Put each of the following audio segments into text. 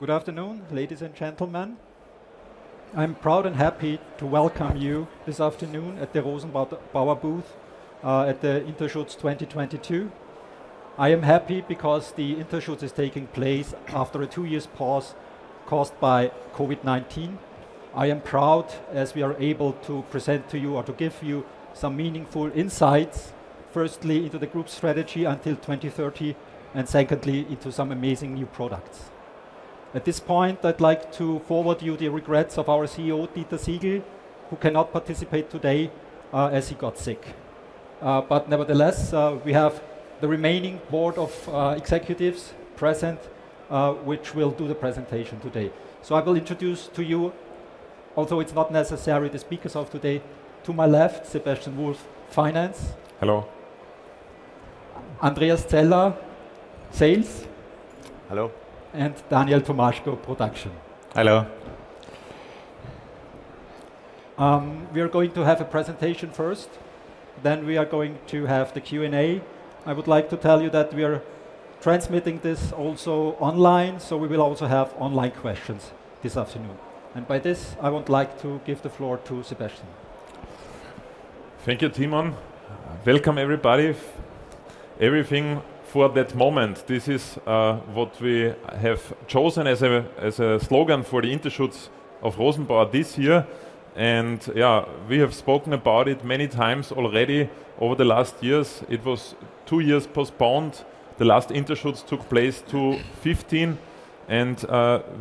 Good afternoon, ladies and gentlemen. I'm proud and happy to welcome you this afternoon at the Rosenbauer booth at the Interschutz 2022. I am happy because the Interschutz is taking place after a two-year pause caused by COVID-19. I am proud as we are able to present to you or to give you some meaningful insights, firstly, into the group's strategy until 2030, and secondly, into some amazing new products. At this point, I'd like to forward to you the regrets of our CEO, Dieter Siegel, who cannot participate today as he got sick. But nevertheless, we have the remaining board of executives present, which will do the presentation today. I will introduce to you, although it's not necessary, the speakers of today. To my left, Sebastian Wolf, finance. Hello. Andreas Zeller, sales. Hello. Daniel Tomaschko, production. Hello. We are going to have a presentation first, then we are going to have the Q&A. I would like to tell you that we are transmitting this also online, so we will also have online questions this afternoon. By this, I would like to give the floor to Sebastian. Thank you, Tiemon. Welcome, everybody. Everything for that moment. This is what we have chosen as a slogan for the Interschutz of Rosenbauer this year. Yeah, we have spoken about it many times already over the last years. It was 2 years postponed. The last Interschutz took place 2015, and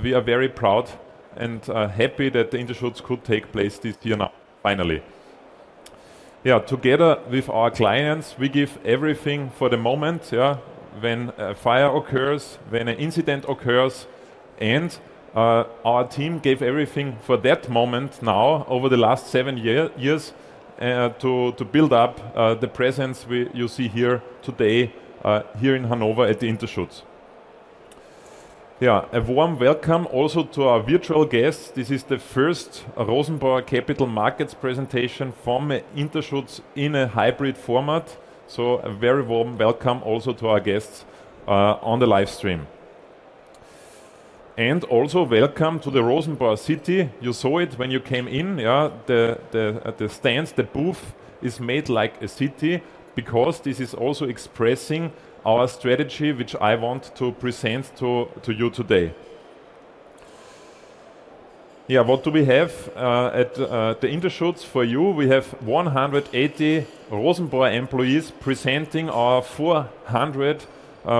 we are very proud and happy that the Interschutz could take place this year now finally. Yeah, together with our clients, we give everything for the moment, yeah, when a fire occurs, when an incident occurs, and our team gave everything for that moment now over the last 7 years to build up the presence you see here today here in Hanover at the Interschutz. Yeah, a warm welcome also to our virtual guests. This is the first Rosenbauer capital markets presentation from Interschutz in a hybrid format, so a very warm welcome also to our guests on the live stream. Also welcome to the Rosenbauer City. You saw it when you came in, yeah. The stands, the booth is made like a city because this is also expressing our strategy, which I want to present to you today. What do we have at the Interschutz for you? We have 180 Rosenbauer employees presenting our 400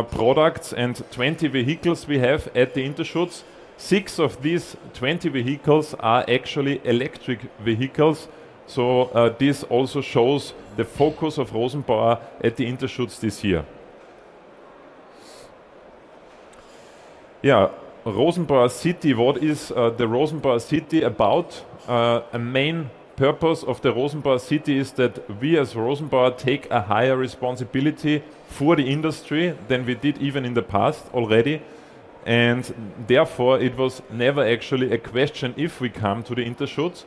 products and 20 vehicles we have at the Interschutz. Six of these 20 vehicles are actually electric vehicles, so this also shows the focus of Rosenbauer at the Interschutz this year. Yeah, Rosenbauer City. What is the Rosenbauer City about? A main purpose of the Rosenbauer City is that we as Rosenbauer take a higher responsibility for the industry than we did even in the past already, and therefore it was never actually a question if we come to the Interschutz.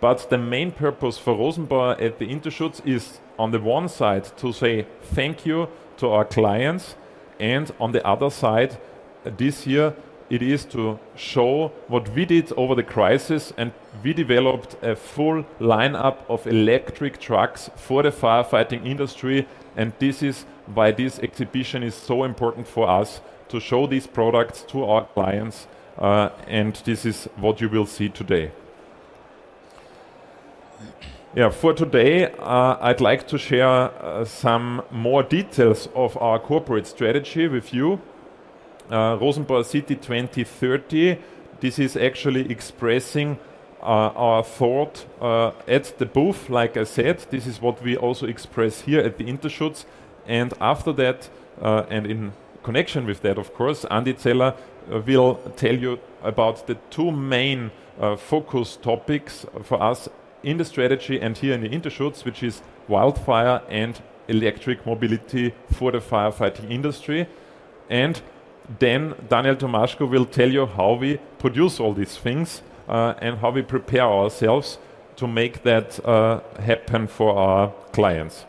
The main purpose for Rosenbauer at the Interschutz is, on the one side, to say thank you to our clients, and on the other side, this year, it is to show what we did over the crisis, and we developed a full lineup of electric trucks for the firefighting industry, and this is why this exhibition is so important for us to show these products to our clients, and this is what you will see today. For today, I'd like to share some more details of our corporate strategy with you. Rosenbauer City 2030, this is actually expressing our thought at the booth, like I said. This is what we also express here at the Interschutz. After that, and in connection with that, of course, Andi Zeller will tell you about the two main focus topics for us in the strategy and here in the Interschutz, which is wildfire and electric mobility for the firefighting industry. Then Daniel Tomaschko will tell you how we produce all these things and how we prepare ourselves to make that happen for our clients.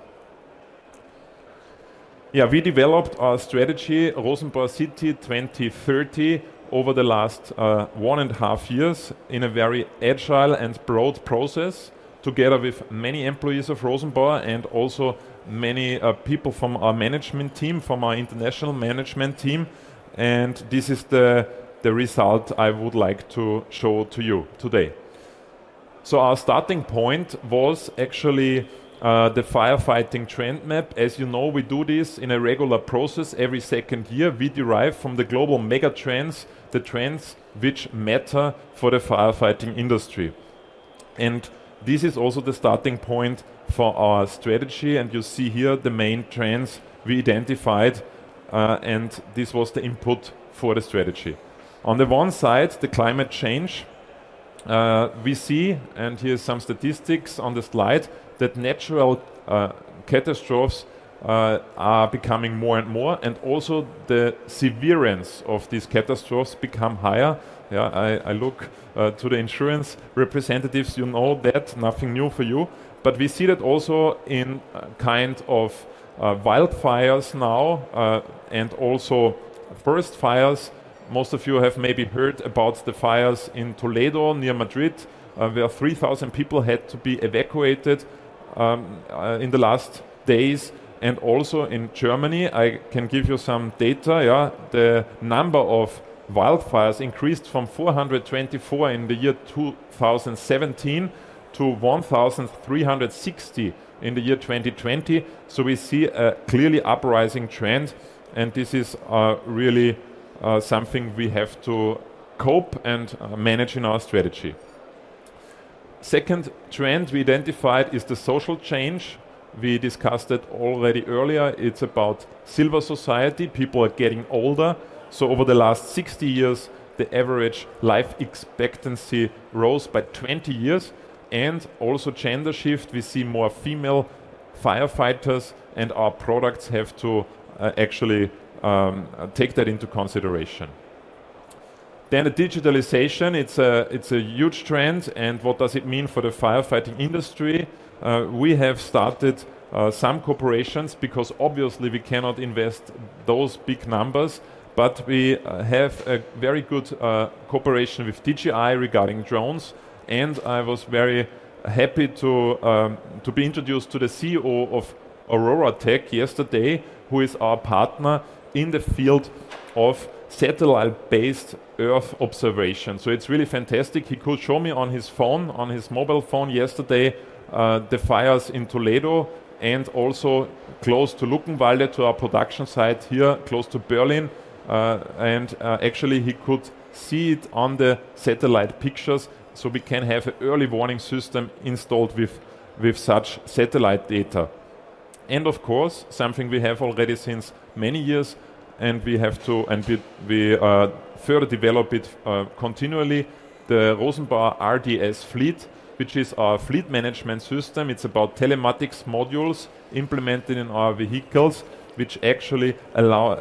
Yeah, we developed our strategy, Rosenbauer City 2030, over the last one and a half years in a very agile and broad process together with many employees of Rosenbauer and also many people from our management team, from our international management team, and this is the result I would like to show to you today. Our starting point was actually the firefighting trend map. As you know, we do this in a regular process every second year. We derive from the global mega trends, the trends which matter for the firefighting industry. This is also the starting point for our strategy, and you see here the main trends we identified, and this was the input for the strategy. On the one side, the climate change. We see, and here's some statistics on the slide, that natural catastrophes are becoming more and more, and also the severity of these catastrophes become higher. Yeah, I look to the insurance representatives. You know that. Nothing new for you. We see that also in kind of wildfires now, and also forest fires, most of you have maybe heard about the fires in Toledo, near Madrid, where 3,000 people had to be evacuated, in the last days. Also in Germany, I can give you some data, yeah. The number of wildfires increased from 424 in the year 2017 to 1,360 in the year 2020. We see a clearly rising trend, and this is really something we have to cope and manage in our strategy. Second trend we identified is the social change. We discussed it already earlier. It's about silver society. People are getting older, so over the last 60 years, the average life expectancy rose by 20 years. Also gender shift, we see more female firefighters, and our products have to actually take that into consideration. The digitalization, it's a huge trend, and what does it mean for the firefighting industry? We have started some cooperations because obviously we cannot invest those big numbers. We have a very good cooperation with DJI regarding drones, and I was very happy to be introduced to the CEO of OroraTech yesterday, who is our partner in the field of satellite-based Earth observation. It's really fantastic. He could show me on his phone, on his mobile phone yesterday, the fires in Toledo and also close to Luckenwalde, to our production site here, close to Berlin. Actually, he could see it on the satellite pictures, so we can have an early warning system installed with such satellite data. Of course, something we have already since many years, and we further develop it continually, the Rosenbauer RDS Fleet, which is our fleet management system. It's about telematics modules implemented in our vehicles, which actually allow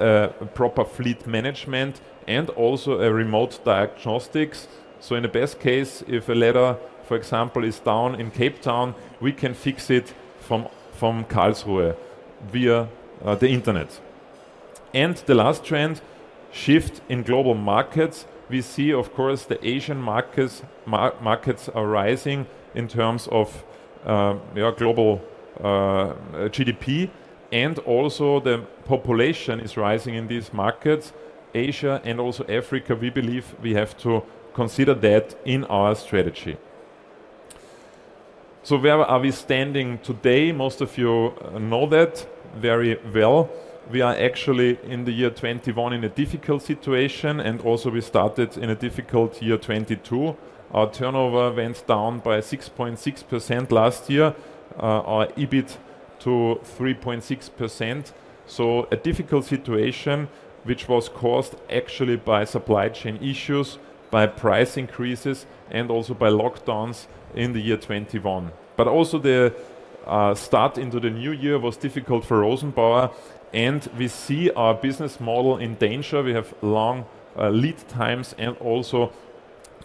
proper fleet management and also a remote diagnostics. In the best case, if a ladder, for example, is down in Cape Town, we can fix it from Karlsruhe via the internet. The last trend, shift in global markets. We see of course the Asian markets are rising in terms of global GDP, and also the population is rising in these markets, Asia and also Africa. We believe we have to consider that in our strategy. Where are we standing today? Most of you know that very well. We are actually in the year 2021 in a difficult situation, and also we started in a difficult year 2022. Our turnover went down by 6.6% last year, our EBIT to 3.6%. A difficult situation which was caused actually by supply chain issues, by price increases, and also by lockdowns in the year 2021. Also the start into the new year was difficult for Rosenbauer, and we see our business model in danger. We have long lead times and also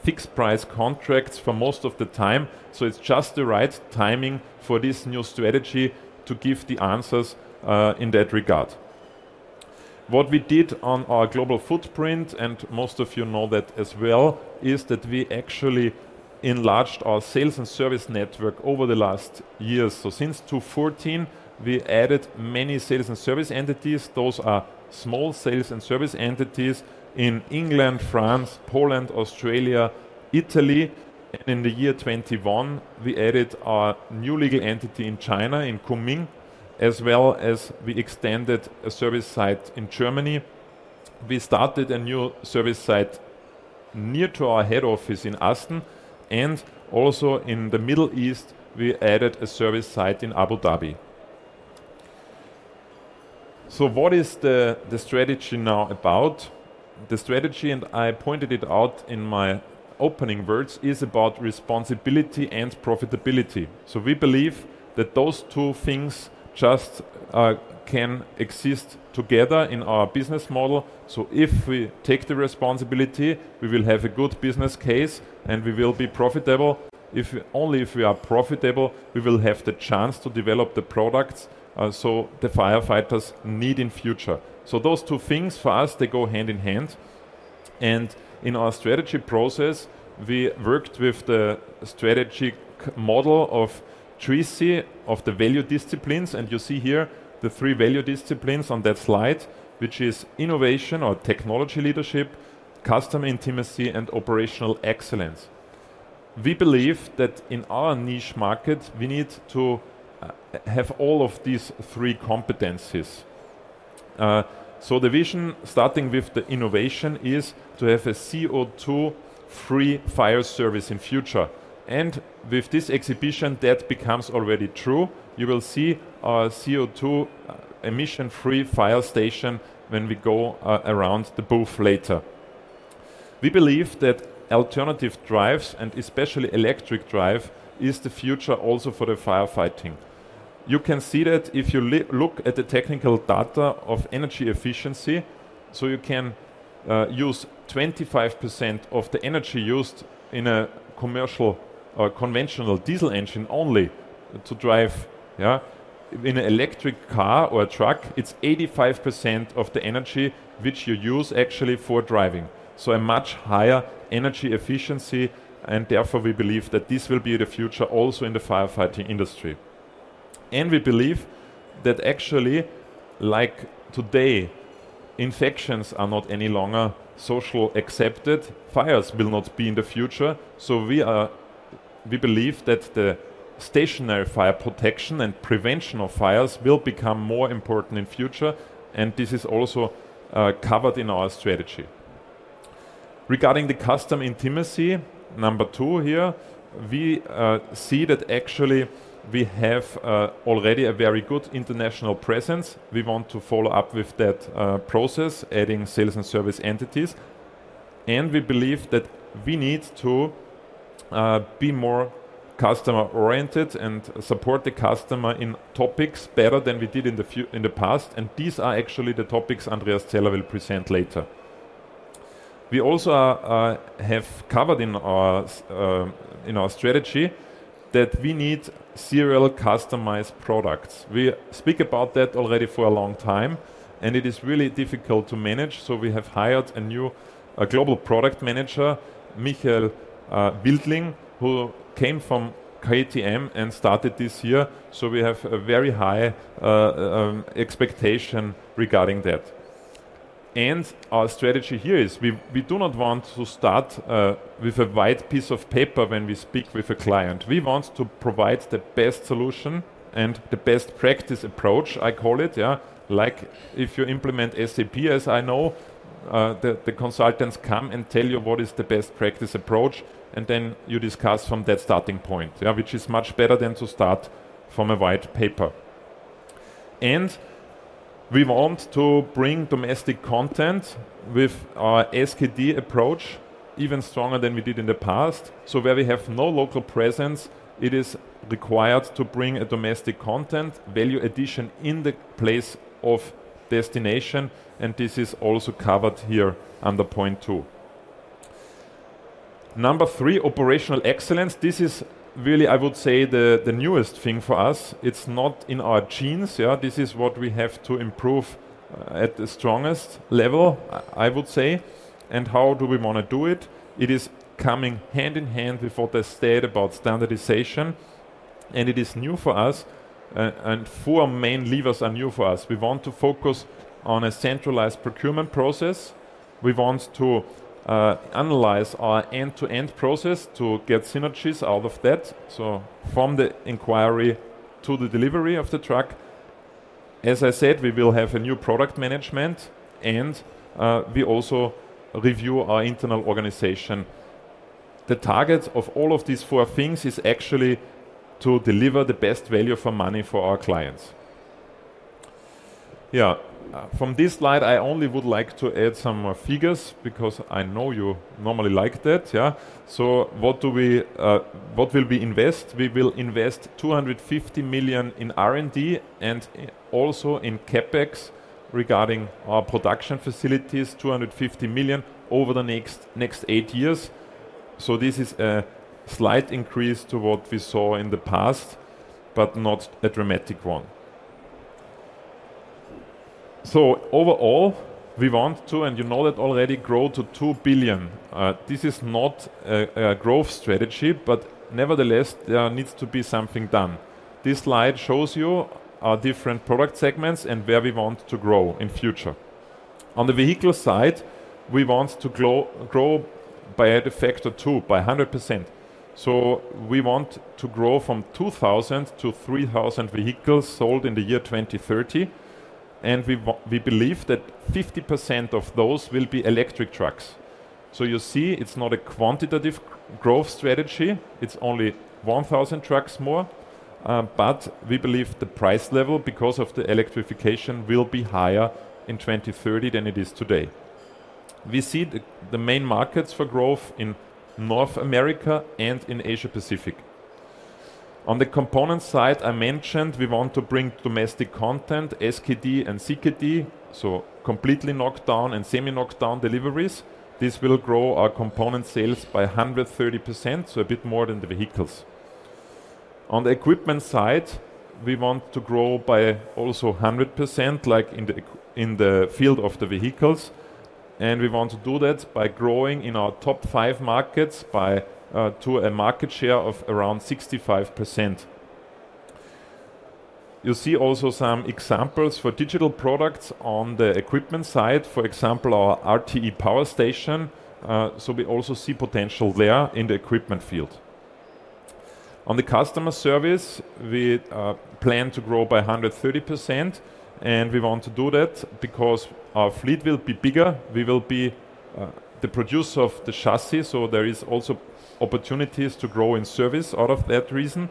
fixed price contracts for most of the time. It's just the right timing for this new strategy to give the answers, in that regard. What we did on our global footprint, and most of you know that as well, is that we actually enlarged our sales and service network over the last years. Since 2014, we added many sales and service entities. Those are small sales and service entities in England, France, Poland, Australia, Italy. In the year 2021, we added our new legal entity in China, in Kunming, as well as we extended a service site in Germany. We started a new service site near to our head office in Asten, and also in the Middle East, we added a service site in Abu Dhabi. What is the strategy now about? The strategy, and I pointed it out in my opening words, is about responsibility and profitability. We believe that those two things just can exist together in our business model. If we take the responsibility, we will have a good business case, and we will be profitable. Only if we are profitable, we will have the chance to develop the products so the firefighters need in future. Those two things for us, they go hand in hand. In our strategy process, we worked with the strategic model of Treacy of the value disciplines, and you see here the three value disciplines on that slide, which is innovation or technology leadership, customer intimacy, and operational excellence. We believe that in our niche market, we need to have all of these three competencies. The vision starting with the innovation is to have a CO₂ free fire service in future. With this exhibition, that becomes already true. You will see our CO₂ emission free fire station when we go around the booth later. We believe that alternative drives, and especially electric drive, is the future also for the firefighting. You can see that if you look at the technical data of energy efficiency, so you can use 25% of the energy used in a commercial or conventional diesel engine only to drive, yeah. In an electric car or a truck, it's 85% of the energy which you use actually for driving. A much higher energy efficiency, and therefore we believe that this will be the future also in the firefighting industry. We believe that actually, like today, emissions are not any longer socially accepted, fires will not be in the future. We believe that the stationary fire protection and prevention of fires will become more important in future, and this is also covered in our strategy. Regarding the customer intimacy, number two here, we see that actually we have already a very good international presence. We want to follow up with that process, adding sales and service entities. We believe that we need to be more customer-oriented and support the customer in topics better than we did in the past, and these are actually the topics Andreas Zeller will present later. We also have covered in our strategy that we need serial customized products. We speak about that already for a long time, and it is really difficult to manage, so we have hired a new global product manager, Michael Wildling, who came from KTM and started this year, so we have a very high expectation regarding that. Our strategy here is we do not want to start with a white piece of paper when we speak with a client. We want to provide the best solution and the best practice approach, I call it, yeah. Like if you implement SAP, as I know, the consultants come and tell you what is the best practice approach, and then you discuss from that starting point, yeah, which is much better than to start from a white paper. We want to bring domestic content with our SKD approach even stronger than we did in the past. Where we have no local presence, it is required to bring a domestic content, value addition in the place of destination, and this is also covered here under point two. Number three, operational excellence. This is really, I would say, the newest thing for us. It's not in our genes, yeah. This is what we have to improve at the strongest level, I would say. How do we wanna do it? It is coming hand in hand with what I said about standardization, and it is new for us, and four main levers are new for us. We want to focus on a centralized procurement process. We want to analyze our end-to-end process to get synergies out of that, so from the inquiry to the delivery of the truck. As I said, we will have a new product management, and we also review our internal organization. The target of all of these 4 things is actually to deliver the best value for money for our clients. From this slide, I only would like to add some figures because I know you normally like that. What will we invest? We will invest 250 million in R&D and also in CapEx regarding our production facilities, 250 million over the next 8 years. This is a slight increase to what we saw in the past, but not a dramatic one. Overall, we want to, and you know that already, grow to 2 billion. This is not a growth strategy, but nevertheless, there needs to be something done. This slide shows you our different product segments and where we want to grow in future. On the vehicle side, we want to grow by a factor 2, by 100%. We want to grow from 2,000 to 3,000 vehicles sold in the year 2030, and we believe that 50% of those will be electric trucks. You see, it's not a quantitative growth strategy. It's only 1,000 trucks more, but we believe the price level, because of the electrification, will be higher in 2030 than it is today. We see the main markets for growth in North America and in Asia Pacific. On the component side, I mentioned we want to bring domestic content, SKD and CKD, so completely knocked down and semi-knocked down deliveries. This will grow our component sales by 130%, so a bit more than the vehicles. On the equipment side, we want to grow by also 100%, like in the field of the vehicles, and we want to do that by growing in our top five markets by to a market share of around 65%. You see also some examples for digital products on the equipment side, for example, our RTE power station, so we also see potential there in the equipment field. On the customer service, we plan to grow by 130%, and we want to do that because our fleet will be bigger. We will be the producer of the chassis, so there is also opportunities to grow in service out of that reason.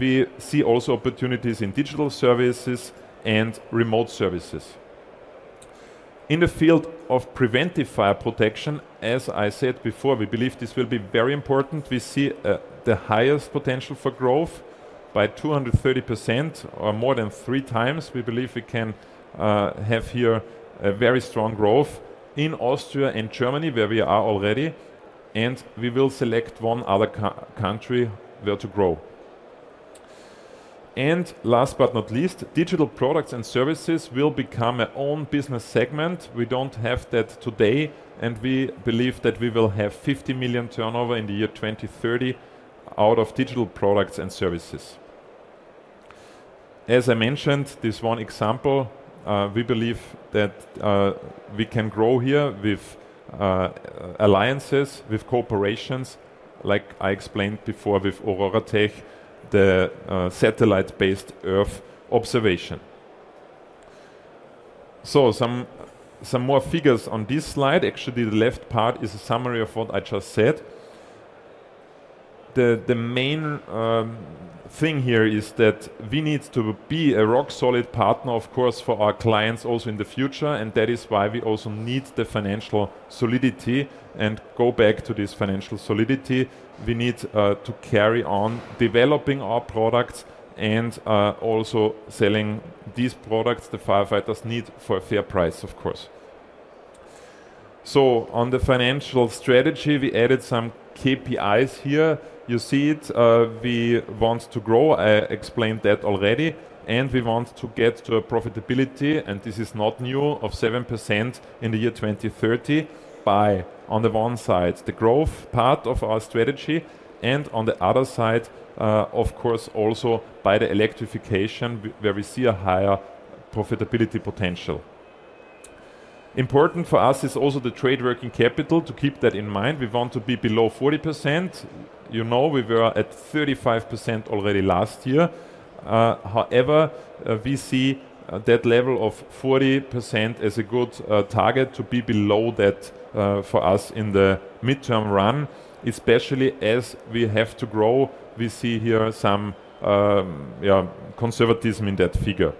We see also opportunities in digital services and remote services. In the field of preventive fire protection, as I said before, we believe this will be very important. We see the highest potential for growth by 230% or more than three times. We believe we can have here a very strong growth in Austria and Germany, where we are already, and we will select one other country where to grow. Last but not least, digital products and services will become a own business segment. We don't have that today, and we believe that we will have 50 million turnover in the year 2030 out of digital products and services. As I mentioned, this one example, we believe that we can grow here with alliances, with corporations, like I explained before with OroraTech, the satellite-based Earth observation. Some more figures on this slide. Actually, the left part is a summary of what I just said. The main thing here is that we need to be a rock solid partner, of course, for our clients also in the future, and that is why we also need the financial solidity and go back to this financial solidity. We need to carry on developing our products and also selling these products the firefighters need for a fair price, of course. On the financial strategy, we added some KPIs here. You see it, we want to grow, I explained that already, and we want to get to a profitability, and this is not new, of 7% in the year 2030 by, on the one side, the growth part of our strategy and on the other side, of course, also by the electrification where we see a higher profitability potential. Important for us is also the trade working capital to keep that in mind. We want to be below 40%. You know we were at 35% already last year. However, we see that level of 40% as a good target to be below that for us in the midterm run, especially as we have to grow. We see here some conservatism in that figure.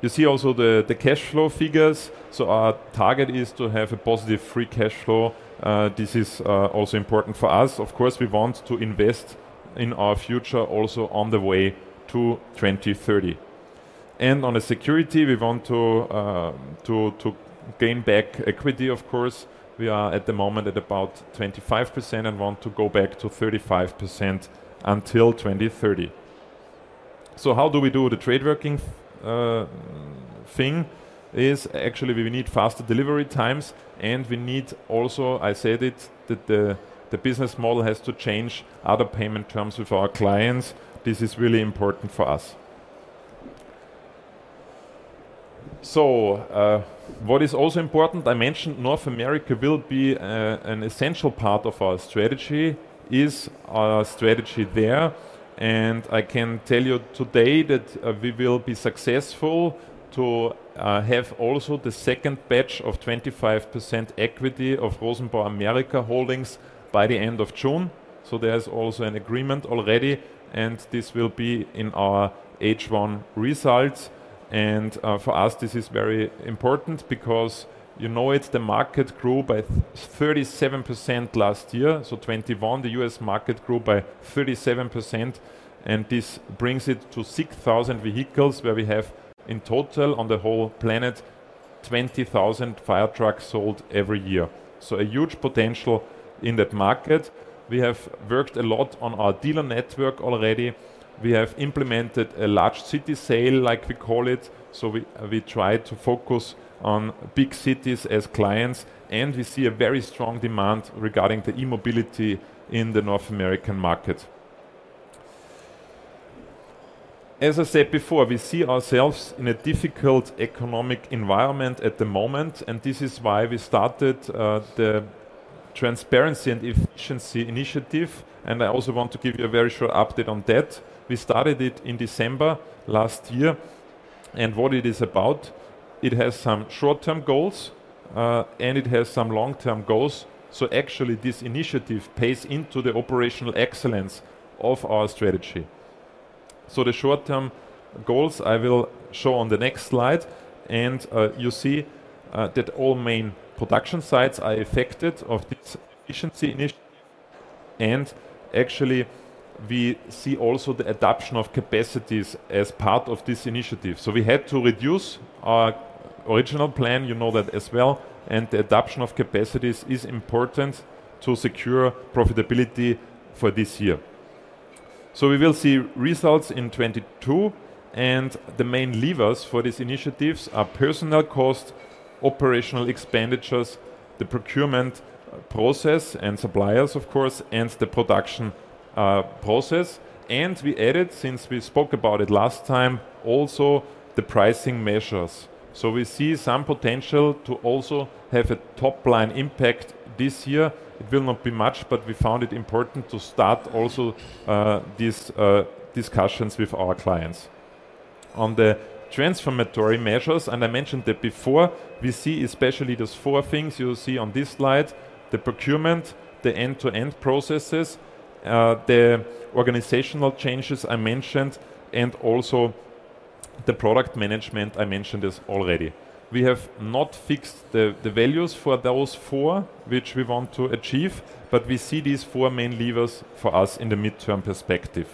You see also the cash flow figures. Our target is to have a positive free cash flow. This is also important for us. Of course, we want to invest in our future also on the way to 2030. On the security, we want to gain back equity, of course. We are at the moment at about 25% and want to go back to 35% until 2030. How do we do the working capital thing? It's actually we need faster delivery times, and we need also, I said it, that the business model has to change other payment terms with our clients. This is really important for us. What is also important, I mentioned North America will be an essential part of our strategy, is our strategy there. I can tell you today that we will be successful to have also the second batch of 25% equity of Rosenbauer America Holdings by the end of June. There's also an agreement already, and this will be in our H1 results. For us, this is very important because you know it, the market grew by 37% last year, 2021. The US market grew by 37%, and this brings it to 6,000 vehicles, where we have in total on the whole planet 20,000 fire trucks sold every year. A huge potential in that market. We have worked a lot on our dealer network already. We have implemented a large city sale, like we call it. We try to focus on big cities as clients, and we see a very strong demand regarding the e-mobility in the North American market. As I said before, we see ourselves in a difficult economic environment at the moment, and this is why we started the transparency and efficiency initiative. I also want to give you a very short update on that. We started it in December last year. What it is about, it has some short-term goals, and it has some long-term goals. Actually this initiative pays into the operational excellence of our strategy. The short-term goals I will show on the next slide. You see that all main production sites are affected of this efficiency initiative. Actually, we see also the adaptation of capacities as part of this initiative. We had to reduce our original plan, you know that as well, and the adaptation of capacities is important to secure profitability for this year. We will see results in 2022, and the main levers for these initiatives are personnel cost, operational expenditures, the procurement process and suppliers of course, and the production process. We added, since we spoke about it last time, also the pricing measures. We see some potential to also have a top-line impact this year. It will not be much, but we found it important to start also these discussions with our clients. On the transformational measures, and I mentioned that before, we see especially those four things you see on this slide, the procurement, the end-to-end processes, the organizational changes I mentioned, and also the product management I mentioned is already. We have not fixed the values for those four which we want to achieve, but we see these four main levers for us in the midterm perspective.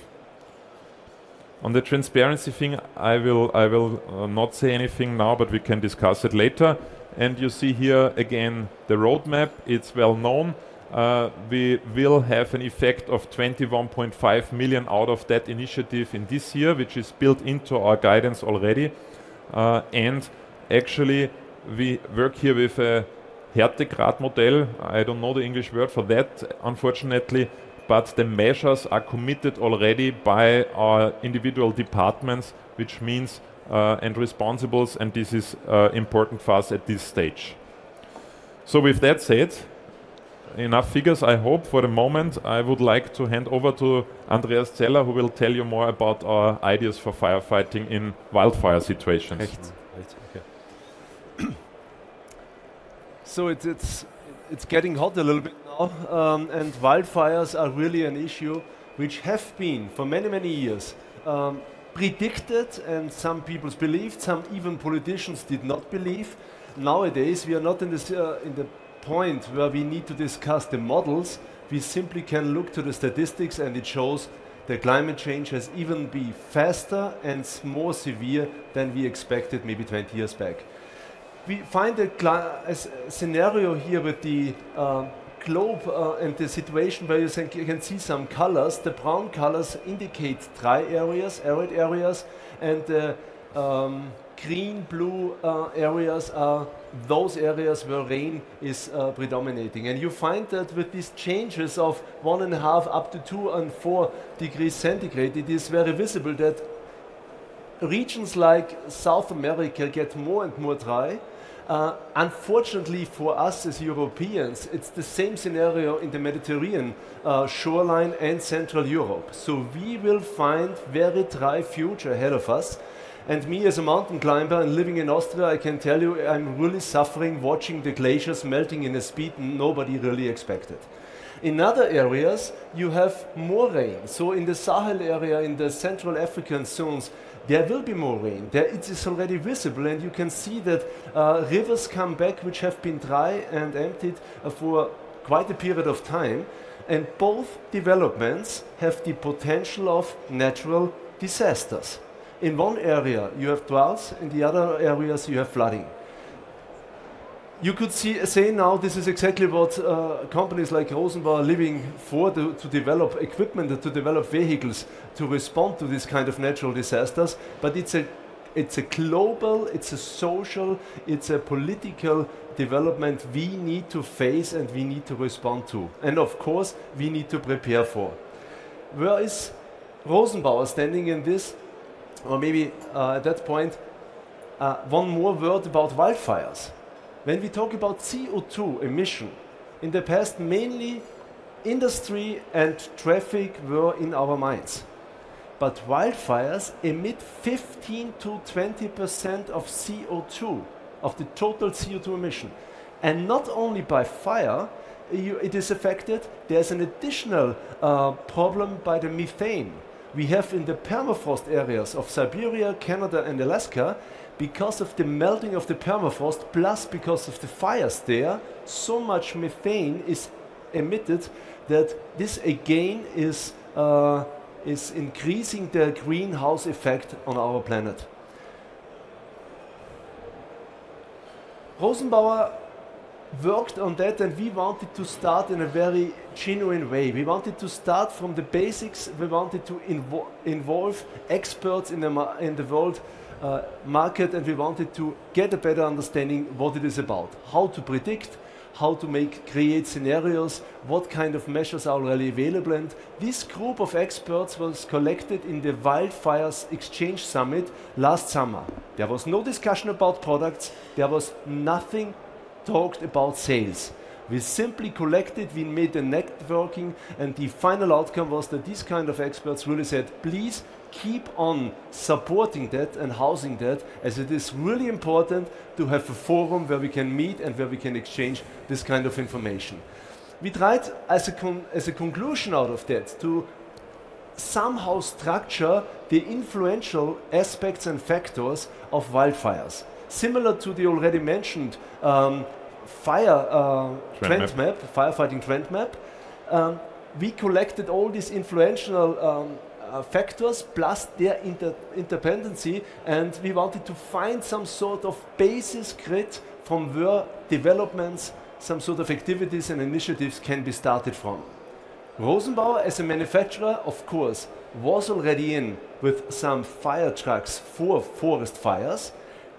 On the transparency thing, I will not say anything now, but we can discuss it later. You see here again the roadmap, it's well-known. We will have an effect of 21.5 million out of that initiative in this year, which is built into our guidance already. Actually we work here with a Deutsches Modell. I don't know the English word for that, unfortunately. The measures are committed already by our individual departments, which means, and responsibles, and this is important for us at this stage. With that said, enough figures I hope for the moment. I would like to hand over to Andreas Zeller, who will tell you more about our ideas for firefighting in wildfire situations. Right. Okay. It's getting hot a little bit now, and wildfires are really an issue which have been for many years predicted and some peoples believed, some even politicians did not believe. Nowadays, we are not in the point where we need to discuss the models, we simply can look to the statistics and it shows that climate change has even been faster and more severe than we expected maybe 20 years back. We find a scenario here with the globe, and the situation where you think you can see some colors. The brown colors indicate dry areas, arid areas, and green-blue areas are those areas where rain is predominating. You find that with these changes of 1.5 up to 2.4 degrees centigrade, it is very visible that regions like South America get more and more dry. Unfortunately for us as Europeans, it's the same scenario in the Mediterranean shoreline and Central Europe. We will find very dry future ahead of us. Me as a mountain climber and living in Austria, I can tell you, I'm really suffering watching the glaciers melting in a speed nobody really expected. In other areas, you have more rain. In the Sahel area, in the Central African zones, there will be more rain. There it is already visible, and you can see that, rivers come back which have been dry and emptied for quite a period of time. Both developments have the potential of natural disasters. In one area you have droughts, in the other areas you have flooding. You could say now this is exactly what companies like Rosenbauer are living for, to develop equipment and to develop vehicles to respond to these kind of natural disasters. It's a global, it's a social, it's a political development we need to face and we need to respond to, and of course, we need to prepare for. Where is Rosenbauer standing in this? Maybe at that point one more word about wildfires. When we talk about CO2 emission, in the past mainly industry and traffic were in our minds. Wildfires emit 15%-20% of CO2, of the total CO2 emission. Not only by fire it is affected, there's an additional problem by the methane. We have in the permafrost areas of Siberia, Canada, and Alaska, because of the melting of the permafrost plus because of the fires there, so much methane is emitted that this again is increasing the greenhouse effect on our planet. Rosenbauer worked on that, and we wanted to start in a very genuine way. We wanted to start from the basics. We wanted to involve experts in the world market, and we wanted to get a better understanding what it is about, how to predict, how to make, create scenarios, what kind of measures are really available. This group of experts was collected in the Wildfire Exchange Summit last summer. There was no discussion about products. There was nothing talked about sales. We simply collected, we made the networking, and the final outcome was that these kind of experts really said, "Please keep on supporting that and housing that, as it is really important to have a forum where we can meet and where we can exchange this kind of information." We tried as a conclusion out of that to somehow structure the influential aspects and factors of wildfires. Similar to the already mentioned fire. Trend map Trend map, firefighting trend map, we collected all these influential factors plus their interdependency, and we wanted to find some sort of basis grid from where developments, some sort of activities and initiatives can be started from. Rosenbauer as a manufacturer, of course, was already in with some fire trucks for forest fires,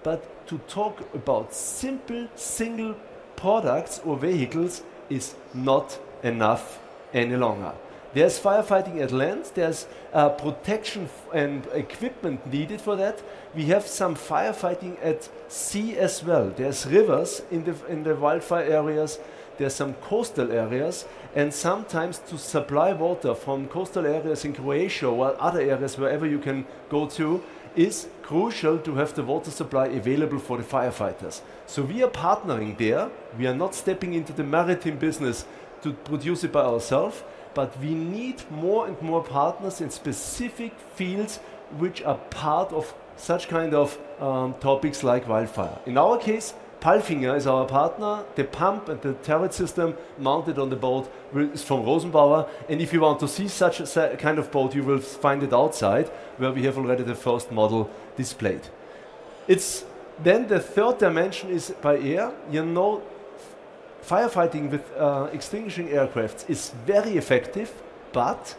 but to talk about simple single products or vehicles is not enough any longer. There's firefighting at length, there's protection and equipment needed for that. We have some firefighting at sea as well. There's rivers in the wildfire areas, there's some coastal areas, and sometimes to supply water from coastal areas in Croatia or other areas, wherever you can go to, it's crucial to have the water supply available for the firefighters. So we are partnering there. We are not stepping into the maritime business to produce it ourselves, but we need more and more partners in specific fields which are part of such kind of topics like wildfire. In our case, PALFINGER is our partner. The pump and the turret system mounted on the boat is from Rosenbauer, and if you want to see such a kind of boat, you will find it outside, where we have already the first model displayed. It's. The third dimension is by air. You know, firefighting with extinguishing aircraft is very effective, but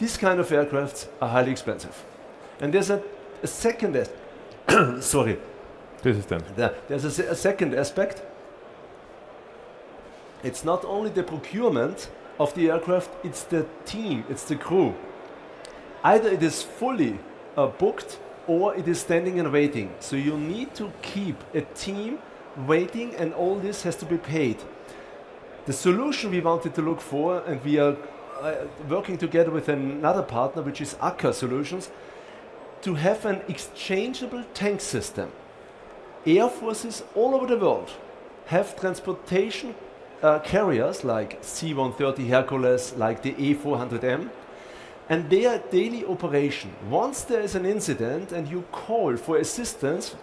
these kind of aircraft are highly expensive. There's a second. Sorry. This is done. There's a second aspect. It's not only the procurement of the aircraft, it's the team, it's the crew. Either it is fully booked or it is standing and waiting. You need to keep a team waiting, and all this has to be paid. The solution we wanted to look for, and we are working together with another partner, which is ACCA Software, to have an exchangeable tank system. Air forces all over the world have transportation carriers like C-130 Hercules, like the A400M, and they are daily operation. Once there is an incident and you call for assistance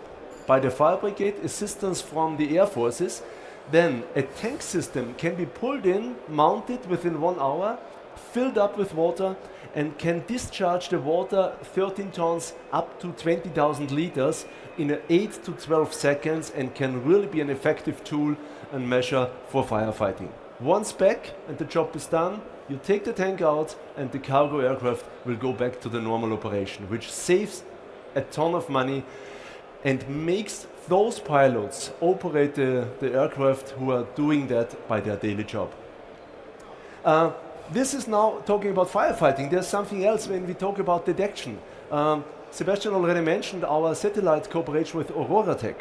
by the fire brigade, assistance from the Air Forces, then a tank system can be pulled in, mounted within 1 hour, filled up with water, and can discharge the water 13 tons up to 20,000 liters in 8-12 seconds and can really be an effective tool and measure for firefighting. Once back and the job is done, you take the tank out and the cargo aircraft will go back to the normal operation, which saves a ton of money and makes those pilots operate the aircraft who are doing that by their daily job. This is now talking about firefighting. There's something else when we talk about detection. Sebastian already mentioned our satellite cooperation with OroraTech.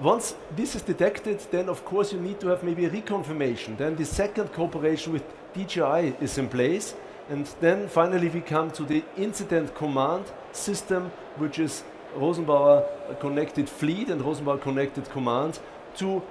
Once this is detected, then of course you need to have maybe a reconfirmation. The second cooperation with DJI is in place, and finally we come to the incident command system, which is Rosenbauer Connected Fleet and Rosenbauer Connected Command, to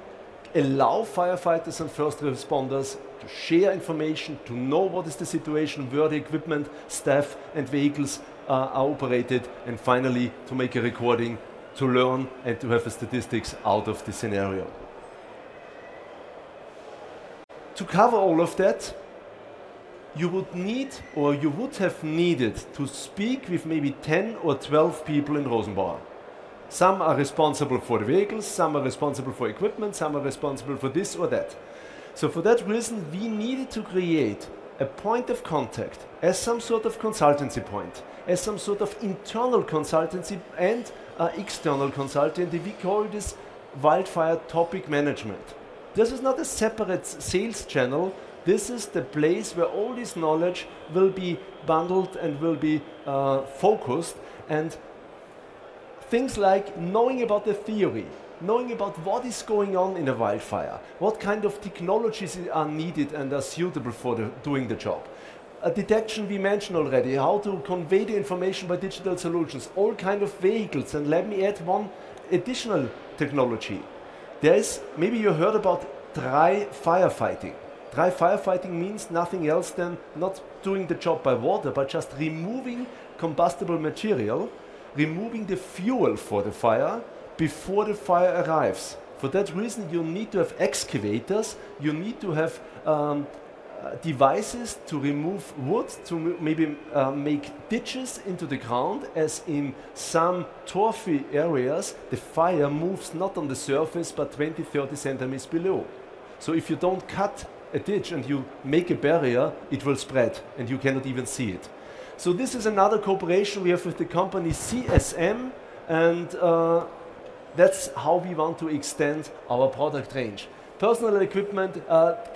allow firefighters and first responders to share information, to know what is the situation, where the equipment, staff, and vehicles are operated, and finally, to make a recording, to learn, and to have the statistics out of the scenario. To cover all of that, you would need or you would have needed to speak with maybe 10 or 12 people in Rosenbauer. Some are responsible for the vehicles, some are responsible for equipment, some are responsible for this or that. For that reason, we needed to create a point of contact as some sort of consultancy point, as some sort of internal consultancy and external consultancy. We call this Wildfire Topic Management. This is not a separate sales channel. This is the place where all this knowledge will be bundled and will be focused and things like knowing about the theory, knowing about what is going on in a wildfire, what kind of technologies are needed and are suitable for doing the job. Detection we mentioned already, how to convey the information by digital solutions, all kind of vehicles, and let me add one additional technology. There is maybe you heard about dry firefighting. Dry firefighting means nothing else than not doing the job by water, but just removing combustible material, removing the fuel for the fire before the fire arrives. For that reason, you need to have excavators, you need to have devices to remove wood, to maybe make ditches into the ground, as in some torfy areas, the fire moves not on the surface, but 20, 30 centimeters below. If you don't cut a ditch and you make a barrier, it will spread, and you cannot even see it. This is another cooperation we have with the company CSM, and that's how we want to extend our product range. Personal equipment,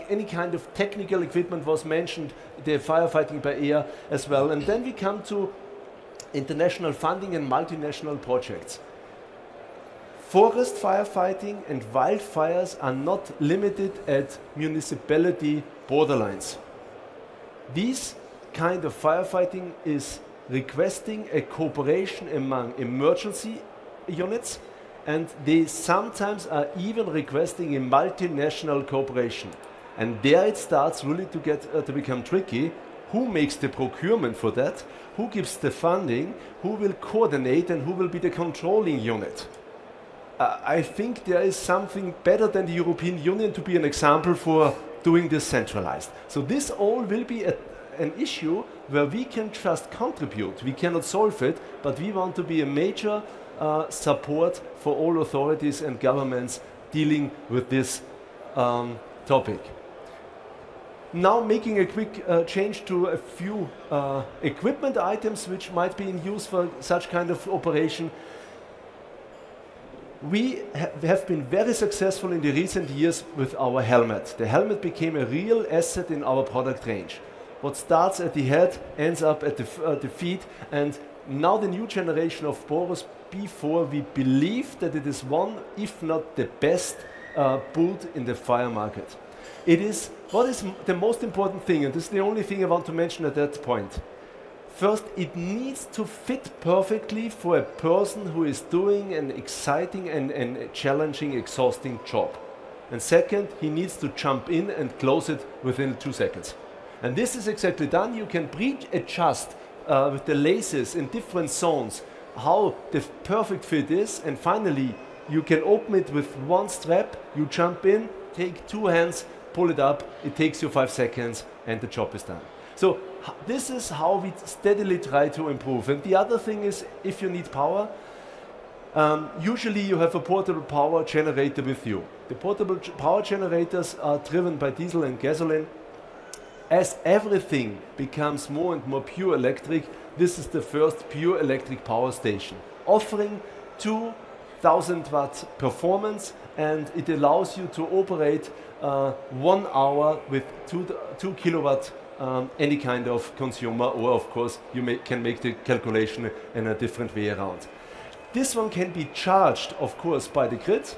any kind of technical equipment was mentioned, the firefighting by air as well. We come to international funding and multinational projects. Forest firefighting and wildfires are not limited at municipality borderlines. This kind of firefighting is requesting a cooperation among emergency units, and they sometimes are even requesting a multinational cooperation. There it starts really to get to become tricky. Who makes the procurement for that? Who gives the funding? Who will coordinate? And who will be the controlling unit? I think there is something better than the European Union to be an example for doing this centralized. This all will be an issue where we can just contribute. We cannot solve it, but we want to be a major support for all authorities and governments dealing with this topic. Now making a quick change to a few equipment items which might be in use for such kind of operation. We have been very successful in the recent years with our helmet. The helmet became a real asset in our product range. What starts at the head ends up at the feet, and now the new generation of HEROS P4, we believe that it is one, if not the best, built in the fire market. What is the most important thing, and this is the only thing I want to mention at that point. First, it needs to fit perfectly for a person who is doing an exciting and challenging, exhausting job. Second, he needs to jump in and close it within two seconds. This is exactly done. You can pre-adjust with the laces in different zones how the perfect fit is, and finally, you can open it with one strap, you jump in, take two hands, pull it up, it takes you five seconds, and the job is done. This is how we steadily try to improve. The other thing is, if you need power, usually you have a portable power generator with you. The portable power generators are driven by diesel and gasoline. As everything becomes more and more pure electric, this is the first pure electric power station offering 2000 watts performance, and it allows you to operate one hour with 2 kilowatts any kind of consumer, or of course you can make the calculation in a different way around. This one can be charged, of course, by the grid,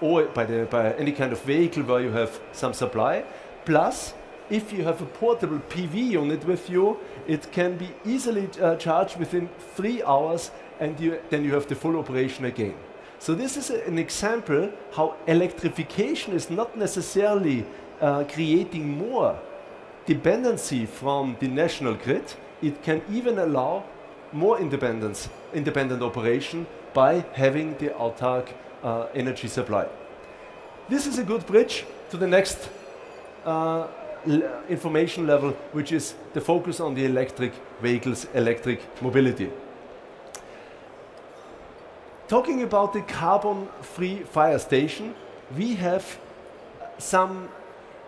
or by any kind of vehicle where you have some supply. Plus, if you have a portable PV unit with you, it can be easily charged within 3 hours, and you then have the full operation again. This is an example how electrification is not necessarily creating more dependency from the national grid. It can even allow more independence, independent operation by having the autarkic energy supply. This is a good bridge to the next information level, which is the focus on the electric vehicles, electric mobility. Talking about the carbon-free fire station, we have some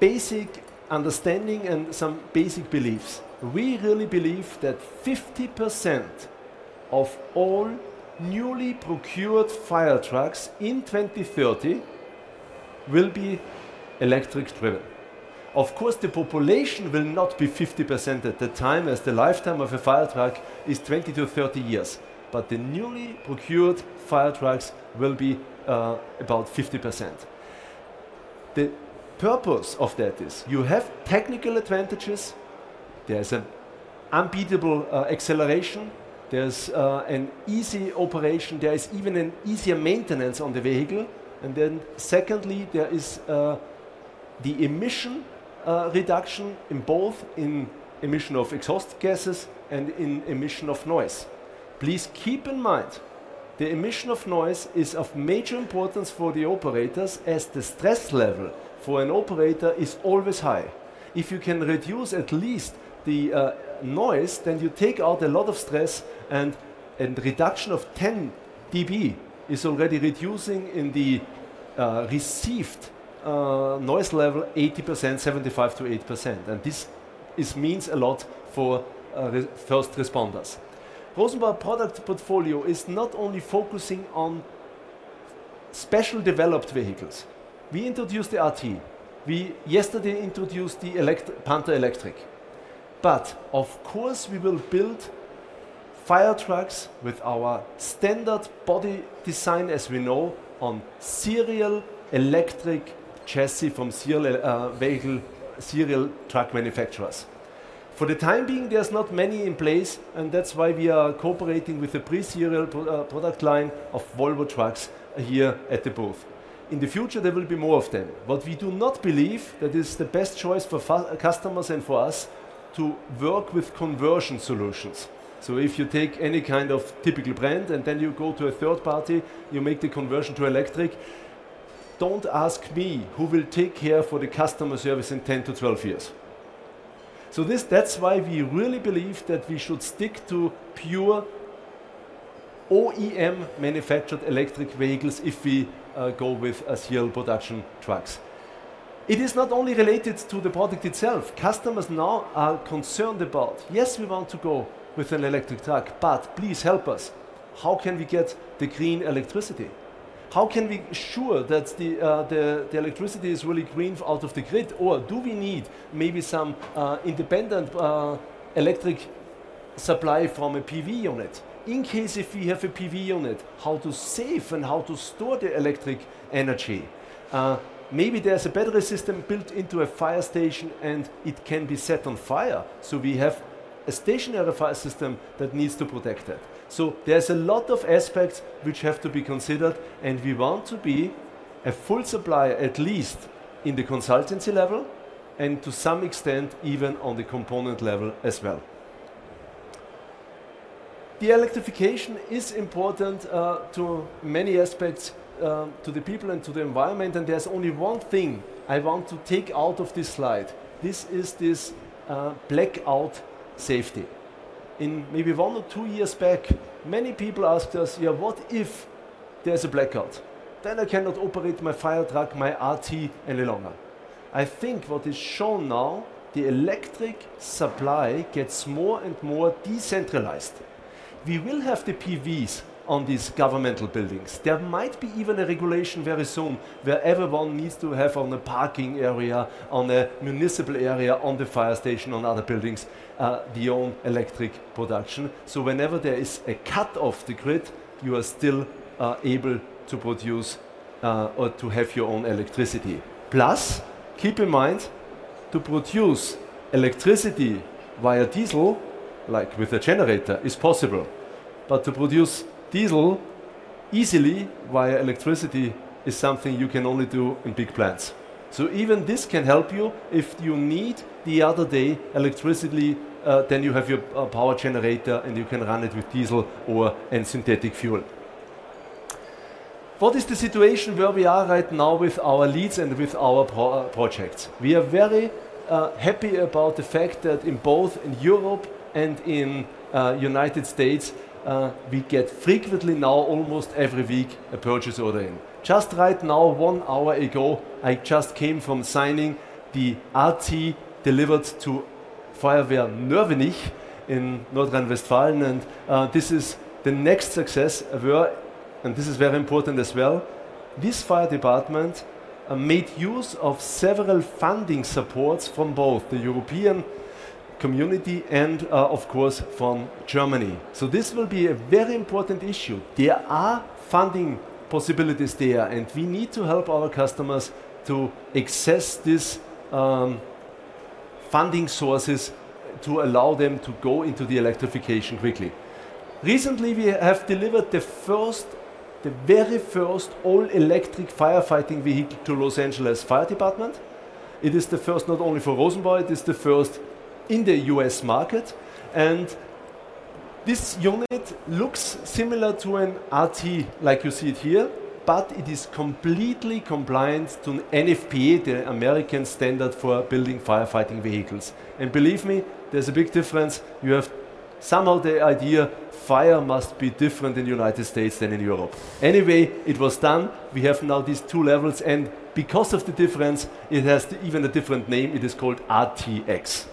basic understanding and some basic beliefs. We really believe that 50% of all newly procured fire trucks in 2030 will be electric driven. Of course, the population will not be 50% at the time as the lifetime of a fire truck is 20-30 years. The newly procured fire trucks will be about 50%. The purpose of that is you have technical advantages. There's an unbeatable acceleration. There's an easy operation. There is even an easier maintenance on the vehicle. Secondly, there is the emission reduction in both emission of exhaust gases and emission of noise. Please keep in mind, the emission of noise is of major importance for the operators as the stress level for an operator is always high. If you can reduce at least the noise, then you take out a lot of stress and reduction of 10 dB is already reducing the received noise level 80%, 75%-80%, and this means a lot for the first responders. Rosenbauer product portfolio is not only focusing on special developed vehicles. We introduced the RT. We yesterday introduced the Panther electric. Of course, we will build fire trucks with our standard body design as we know on serial electric chassis from serial vehicle serial truck manufacturers. For the time being, there are not many in place, and that is why we are cooperating with the pre-serial product line of Volvo Trucks here at the booth. In the future, there will be more of them. We do not believe that is the best choice for customers and for us to work with conversion solutions. If you take any kind of typical brand, and then you go to a third party, you make the conversion to electric, do not ask me who will take care for the customer service in 10-12 years. This, that's why we really believe that we should stick to pure OEM manufactured electric vehicles if we go with a serial production trucks. It is not only related to the product itself. Customers now are concerned about, yes, we want to go with an electric truck, but please help us. How can we get the clean electricity? How can we sure that the electricity is really green out of the grid? Or do we need maybe some independent electric supply from a PV unit? In case if we have a PV unit, how to save and how to store the electric energy? Maybe there's a battery system built into a fire station, and it can be set on fire, so we have a stationary fire system that needs to protect that. There's a lot of aspects which have to be considered, and we want to be a full supplier at least in the consultancy level and to some extent even on the component level as well. The electrification is important to many aspects to the people and to the environment, and there's only one thing I want to take out of this slide. This is this, blackout safety. In maybe one or two years back, many people asked us, "Yeah, what if there's a blackout? Then I cannot operate my fire truck, my RT any longer." I think what is shown now, the electric supply gets more and more decentralized. We will have the PVs on these governmental buildings. There might be even a regulation very soon where everyone needs to have on a parking area, on a municipal area, on the fire station, on other buildings, their own electric production. Whenever there is a cut of the grid, you are still able to produce or to have your own electricity. Plus, keep in mind, to produce electricity via diesel, like with a generator, is possible. To produce diesel easily via electricity is something you can only do in big plants. Even this can help you if you need the other way electricity, then you have your power generator, and you can run it with diesel or synthetic fuel. What is the situation where we are right now with our leads and with our projects? We are very happy about the fact that in both Europe and in United States, we get frequently now almost every week a purchase order in. Just right now one hour ago, I just came from signing the RT delivered to Feuerwehr Nörvenich in Nordrhein-Westfalen. This is the next success. This is very important as well, this fire department made use of several funding supports from both the European Union and, of course, from Germany. This will be a very important issue. There are funding possibilities there, and we need to help our customers to access this funding sources to allow them to go into the electrification quickly. Recently we have delivered the very first all-electric firefighting vehicle to Los Angeles Fire Department. It is the first not only for Rosenbauer, it is the first in the US market. This unit looks similar to an RT like you see it here, but it is completely compliant to NFPA, the American standard for building firefighting vehicles. Believe me, there's a big difference. You have somehow the idea fire must be different in United States than in Europe. Anyway, it was done. We have now these two levels, and because of the difference, it has even a different name. It is called RTX.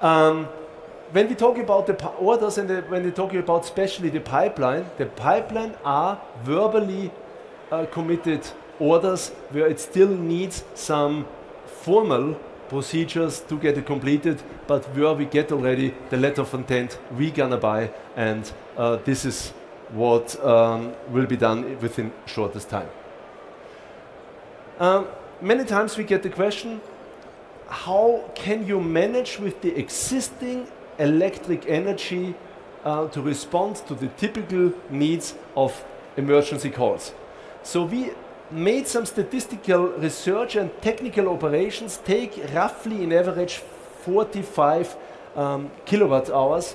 When we talk about especially the pipeline, the pipeline are verbally committed orders where it still needs some formal procedures to get it completed, but where we get already the letter of intent we're gonna buy, and this is what will be done within shortest time. Many times we get the question: how can you manage with the existing electric energy to respond to the typical needs of emergency calls? We made some statistical research, and technical operations take roughly an average 45 kWh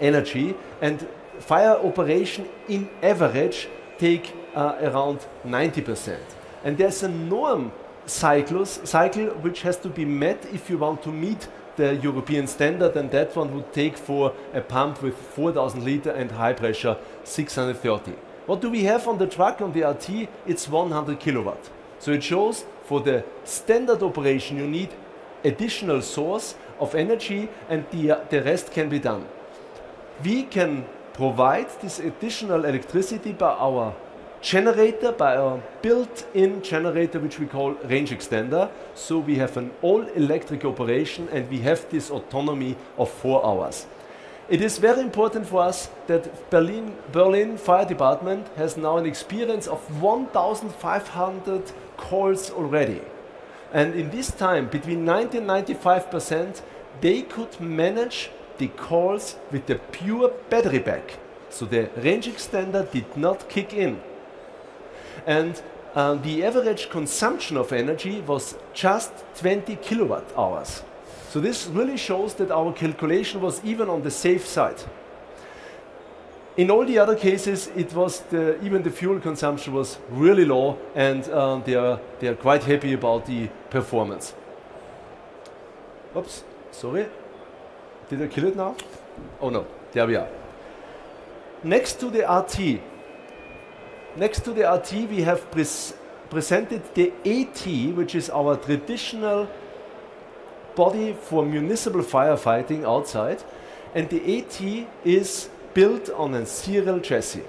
energy, and fire operation in average take around 90%. There's a norm cycle which has to be met if you want to meet the European standard, and that one would take for a pump with 4,000 liter and high pressure, 630. What do we have on the truck, on the RT? It's 100 kW. It shows for the standard operation you need additional source of energy, and the rest can be done. We can provide this additional electricity by our generator, by our built-in generator, which we call range extender, so we have an all-electric operation, and we have this autonomy of four hours. It is very important for us that Berlin Fire Department has now an experience of 1,500 calls already. In this time, between 90%-95%, they could manage the calls with the pure battery pack, so the range extender did not kick in. The average consumption of energy was just 20 kWh. This really shows that our calculation was even on the safe side. In all the other cases it was even the fuel consumption was really low, and they are quite happy about the performance. Oops, sorry. Did I kill it now? Oh, no. There we are. Next to the RT, we have presented the AT, which is our traditional body for municipal firefighting outside, and the AT is built on a serial chassis.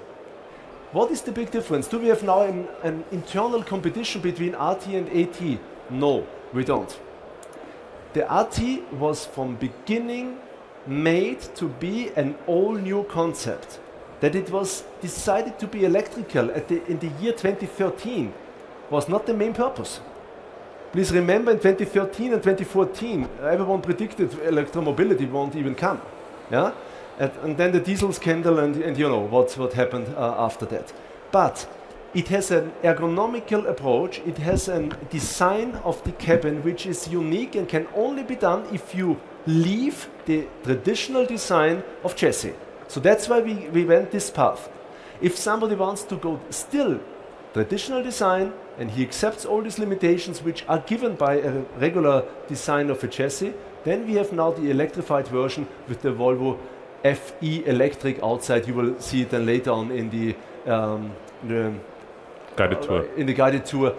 What is the big difference? Do we have now an internal competition between RT and AT? No, we don't. The AT was from beginning made to be an all-new concept, that it was decided to be electrical in the year 2013 was not the main purpose. Please remember in 2013 and 2014, everyone predicted electromobility won't even come. Yeah? And then the diesel scandal and you know what happened after that. It has an ergonomic approach. It has a design of the cabin which is unique and can only be done if you leave the traditional design of chassis. That's why we went this path. If somebody wants to go still traditional design, and he accepts all these limitations which are given by a regular design of a chassis, then we have now the electrified version with the Volvo FE Electric outside. You will see it then later on in the Guided tour In the guided tour.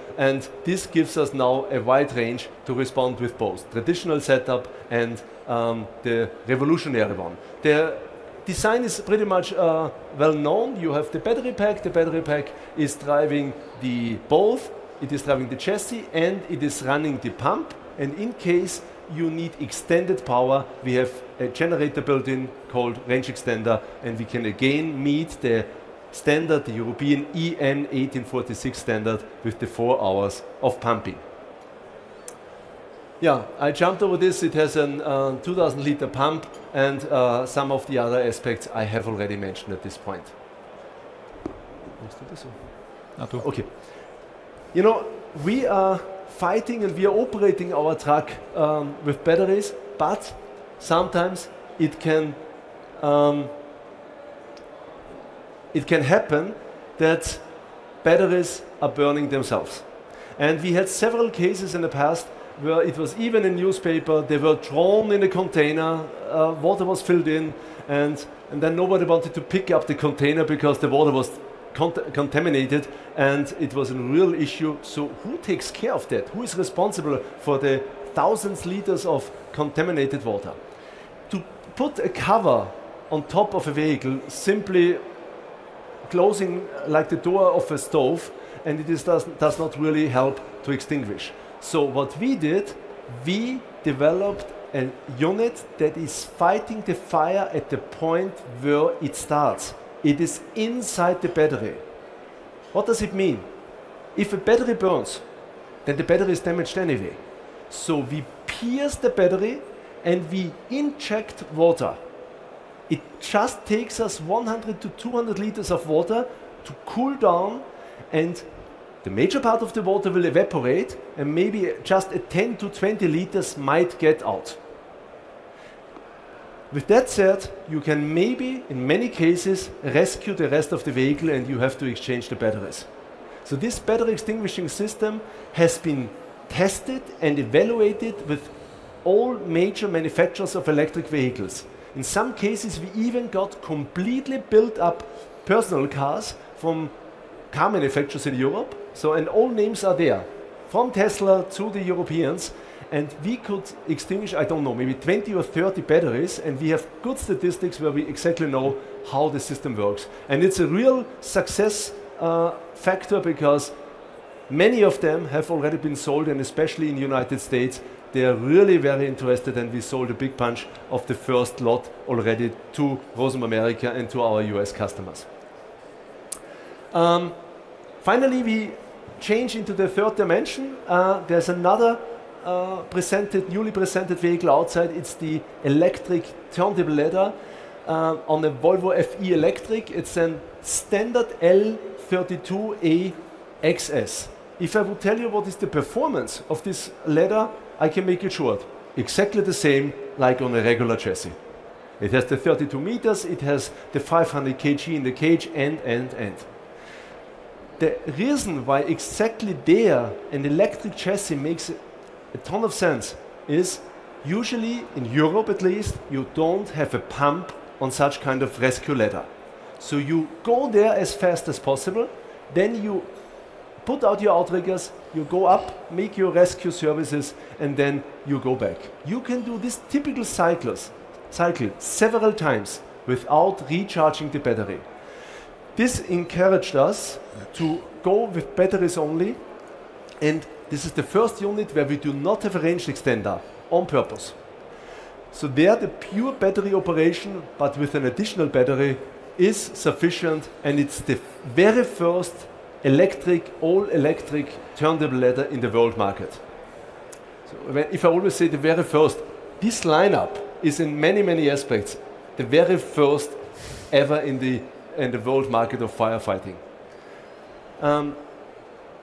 This gives us now a wide range to respond with both traditional setup and the revolutionary one. The design is pretty much well known. You have the battery pack. The battery pack is driving the both. It is driving the chassis, and it is running the pump. In case you need extended power, we have a generator built in called range extender, and we can again meet the standard, the European EN 1846 standard with the 4 hours of pumping. Yeah, I jumped over this. It has a 2,000-liter pump and some of the other aspects I have already mentioned at this point. Okay. You know, we are fighting and we are operating our truck with batteries, but sometimes it can happen that batteries are burning themselves. We had several cases in the past where it was even in newspaper, they were thrown in a container, water was filled in, and then nobody wanted to pick up the container because the water was contaminated, and it was a real issue. Who takes care of that? Who is responsible for the thousands liters of contaminated water? To put a cover on top of a vehicle simply closing like the door of a stove, and it does not really help to extinguish. What we did, we developed a unit that is fighting the fire at the point where it starts. It is inside the battery. What does it mean? If a battery burns, then the battery is damaged anyway. We pierce the battery, and we inject water. It just takes us 100-200 liters of water to cool down, and the major part of the water will evaporate, and maybe just a 10-20 liters might get out. With that said, you can maybe in many cases rescue the rest of the vehicle, and you have to exchange the batteries. This battery extinguishing system has been tested and evaluated with all major manufacturers of electric vehicles. In some cases, we even got completely built-up personal cars from car manufacturers in Europe. All names are there, from Tesla to the Europeans, and we could extinguish, I don't know, maybe 20 or 30 batteries, and we have good statistics where we exactly know how the system works. It's a real success factor because many of them have already been sold, and especially in the United States they are really very interested, and we sold a big bunch of the first lot already to Rosenbauer America and to our US customers. Finally, we change into the third dimension. There's another presented, newly presented vehicle outside. It's the electric turntable ladder on a Volvo FE Electric. It's a standard L32A-XS. If I would tell you what is the performance of this ladder, I can make it short. Exactly the same like on a regular chassis. It has the 32 meters. It has the 500 kg in the cage. The reason why exactly there an electric chassis makes a ton of sense is usually, in Europe at least, you don't have a pump on such kind of rescue ladder. You go there as fast as possible. You put out your outriggers. You go up, make your rescue services, and then you go back. You can do this typical cycle several times without recharging the battery. This encouraged us to go with batteries only, and this is the first unit where we do not have a range extender on purpose. There the pure battery operation but with an additional battery is sufficient, and it's the very first electric, all-electric turntable ladder in the world market. I always say the very first, this lineup is in many, many aspects the very first ever in the world market of firefighting.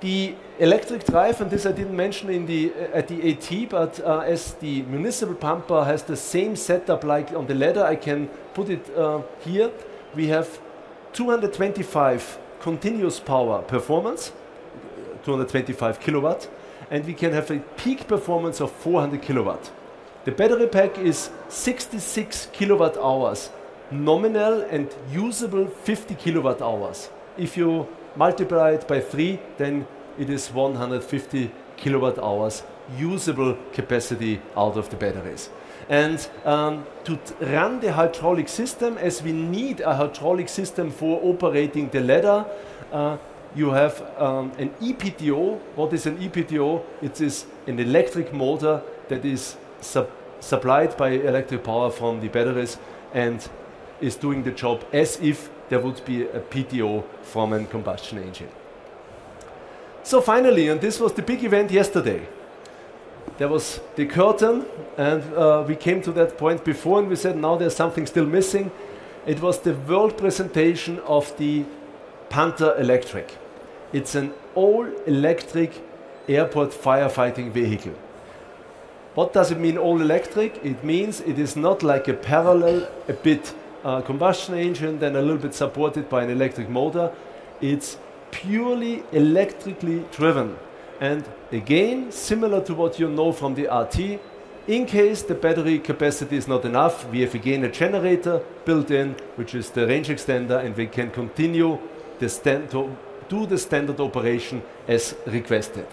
The electric drive, this I didn't mention in the AT, but as the municipal pumper has the same setup like on the ladder, I can put it here. We have 225 continuous power performance, 225 kW, and we can have a peak performance of 400 kW. The battery pack is 66 kWh nominal and usable 50 kWh. If you multiply it by three, then it is 150 kWh usable capacity out of the batteries. To run the hydraulic system, as we need a hydraulic system for operating the ladder, you have an EPTO. What is an EPTO? It is an electric motor that is supplied by electric power from the batteries and is doing the job as if there would be a PTO from a combustion engine. Finally, this was the big event yesterday. There was the curtain, and we came to that point before, and we said, now there's something still missing. It was the world presentation of the PANTHER electric. It's an all-electric airport firefighting vehicle. What does it mean all electric? It means it is not like a parallel, a bit, combustion engine, then a little bit supported by an electric motor. It's purely electrically driven. Again, similar to what you know from the RT, in case the battery capacity is not enough, we have again a generator built in, which is the range extender, and we can continue to do the standard operation as requested.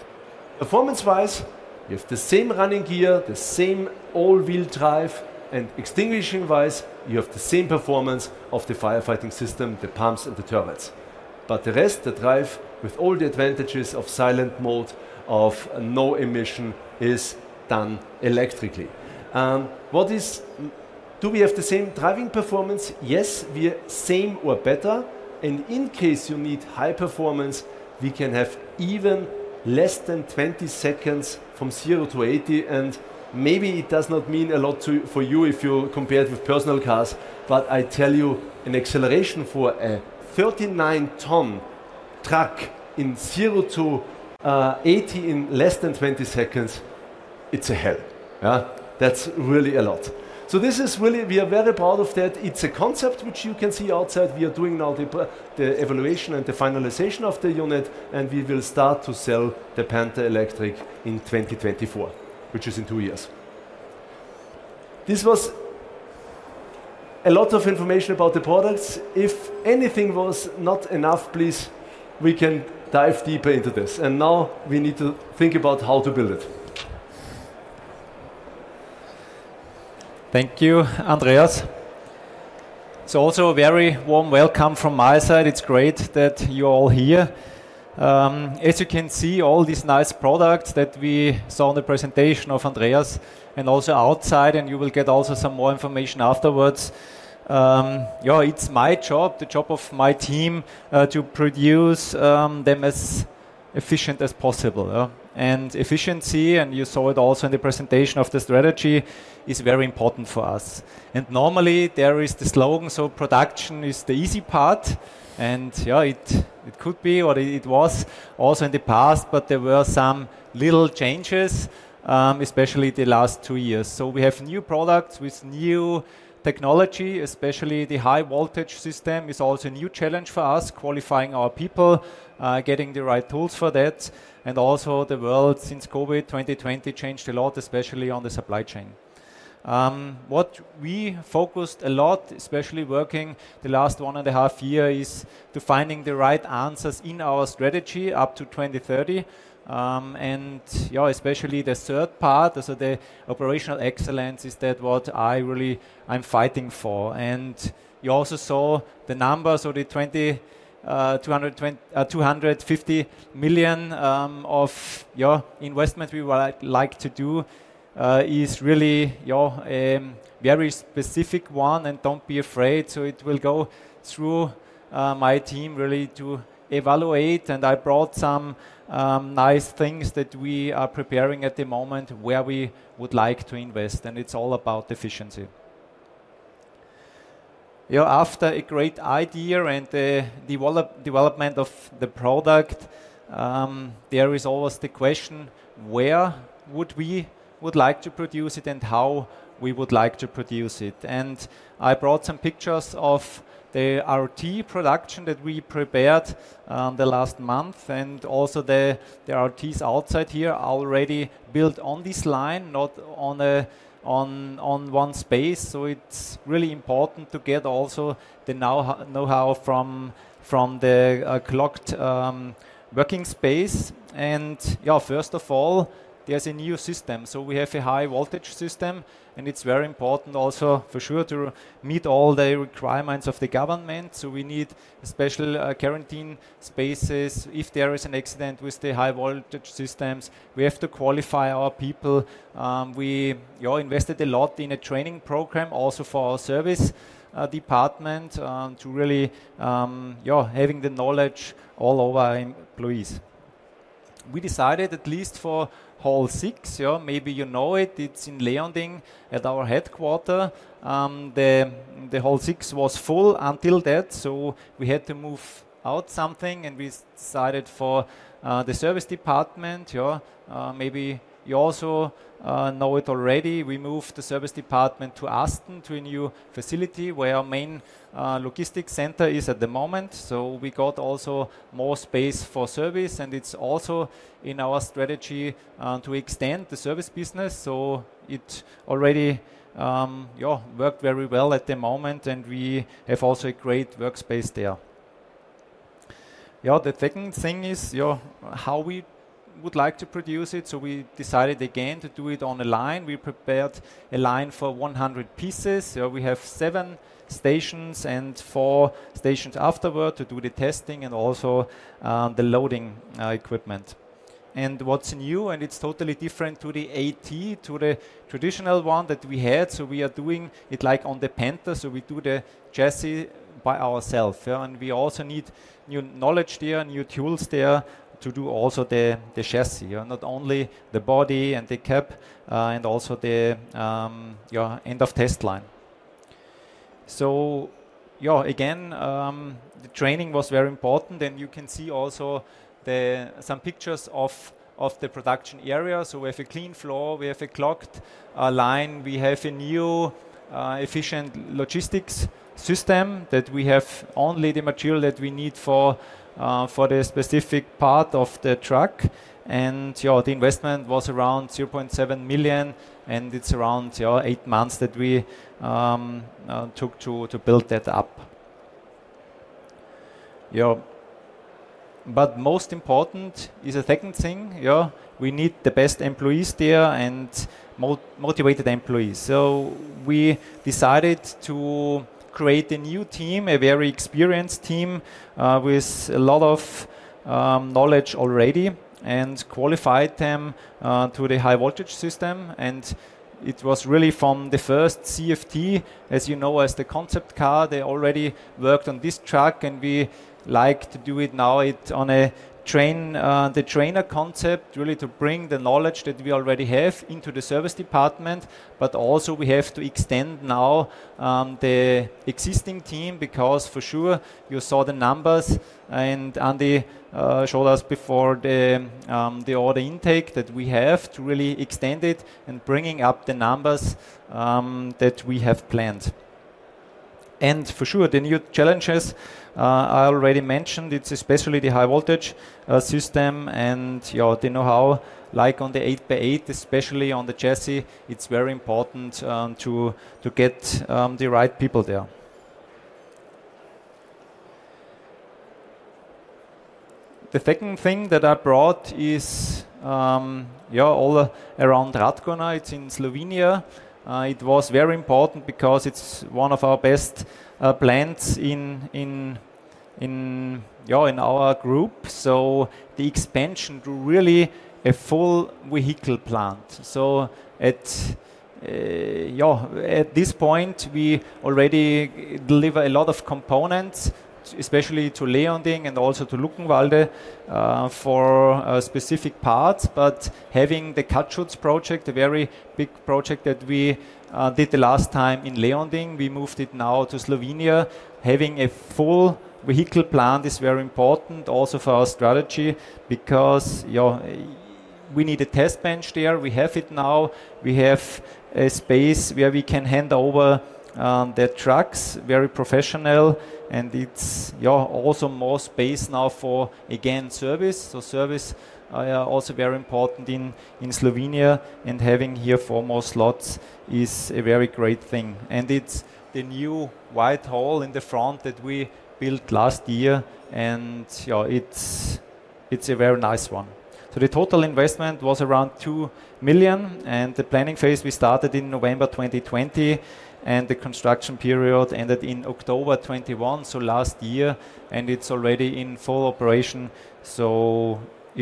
Performance-wise, you have the same running gear, the same all-wheel drive, and extinguishing-wise, you have the same performance of the firefighting system, the pumps, and the turrets. The rest, the drive with all the advantages of silent mode, of no emission is done electrically. Do we have the same driving performance? Yes, we are same or better, and in case you need high performance, we can have even less than 20 seconds from 0 to 80. Maybe it does not mean a lot to, for you if you compare it with personal cars. I tell you, an acceleration for a 39-ton truck in 0 to 80 in less than 20 seconds, it's a hell. Yeah? That's really a lot. This is really. We are very proud of that. It's a concept which you can see outside. We are doing now the evaluation and the finalization of the unit, and we will start to sell the PANTHER electric in 2024, which is in two years. This was a lot of information about the products. If anything was not enough, please, we can dive deeper into this. Now we need to think about how to build it. Thank you, Andreas. It's also a very warm welcome from my side. It's great that you're all here. As you can see, all these nice products that we saw in the presentation of Andreas and also outside, and you will get also some more information afterwards. Yeah, it's my job, the job of my team, to produce them as efficient as possible, yeah? Efficiency, and you saw it also in the presentation of the strategy, is very important for us. Normally there is the slogan, so production is the easy part, and, yeah, it could be, or it was also in the past, but there were some little changes, especially the last two years. We have new products with new technology, especially the high voltage system is also a new challenge for us, qualifying our people, getting the right tools for that. The world since COVID 2020 changed a lot, especially on the supply chain. What we focused a lot, especially working the last one and a half year, is to finding the right answers in our strategy up to 2030. Especially the third part, the operational excellence, is that what I really I'm fighting for. You also saw the numbers of the 202, 250 million of your investment we would like to do is really very specific one, and don't be afraid. It will go through my team really to evaluate, and I brought some nice things that we are preparing at the moment where we would like to invest, and it's all about efficiency. Yeah, after a great idea and the development of the product, there is always the question: Where would we like to produce it and how would we like to produce it? I brought some pictures of the RT production that we prepared last month and also the RTs outside here already built on this line, not on one space. It's really important to get also the know-how from the clocked working space. Yeah, first of all, there's a new system. We have a high voltage system, and it's very important also for sure to meet all the requirements of the government. We need special quarantine spaces. If there is an accident with the high voltage systems, we have to qualify our people. We invested a lot in a training program also for our service department to really having the knowledge all over our employees. We decided at least for Hall six. Maybe you know it's in Leonding at our headquarters. The Hall six was full until that, so we had to move out something, and we decided for the service department. Maybe you also know it already. We moved the service department to Asten, to a new facility where our main logistics center is at the moment. We got also more space for service, and it's also in our strategy to extend the service business, so it already worked very well at the moment, and we have also a great workspace there. The second thing is how we would like to produce it. We decided again to do it on a line. We prepared a line for 100 pieces. We have seven stations and four stations afterward to do the testing and also the loading equipment. What's new, and it's totally different to the AT, to the traditional one that we had. We are doing it like on the PANTHER. We do the chassis by ourselves. We also need new knowledge there, new tools there to do also the chassis. Not only the body and the cap, and also the end of test line. The training was very important, and you can see also then some pictures of the production area. We have a clean floor. We have a clocked line. We have a new efficient logistics system that we have only the material that we need for the specific part of the truck. The investment was around 0.7 million, and it's around 8 months that we took to build that up. Most important is the second thing. We need the best employees there and motivated employees. We decided to create a new team, a very experienced team, with a lot of knowledge already and qualified them to the high voltage system. It was really from the first CFT, as you know, as the concept car. They already worked on this truck, and we like to do it now on training, the training concept really to bring the knowledge that we already have into the service department. Also we have to extend now the existing team because for sure you saw the numbers and Andy showed us before the order intake that we have to really extend it and bringing up the numbers that we have planned. For sure, the new challenges I already mentioned, it's especially the high voltage system and, you know, the know-how, like on the eight by eight, especially on the chassis, it's very important to get the right people there. The second thing that I brought is, yeah, all around Radgona. It's in Slovenia. It was very important because it's one of our best plants in our group. So the expansion to really a full vehicle plant. At this point, we already deliver a lot of components, especially to Leonding and also to Luckenwalde for specific parts. Having the cut sheets project, a very big project that we did last time in Leonding, we moved it now to Slovenia. Having a full vehicle plant is very important also for our strategy because we need a test bench there. We have it now. We have a space where we can hand over the trucks very professional, and it's also more space now for again service. Service are also very important in Slovenia, and having here four more slots is a very great thing. It's the new white hall in the front that we built last year, and it's a very nice one. The total investment was around 2 million, and the planning phase we started in November 2020, and the construction period ended in October 2021, so last year, and it's already in full operation.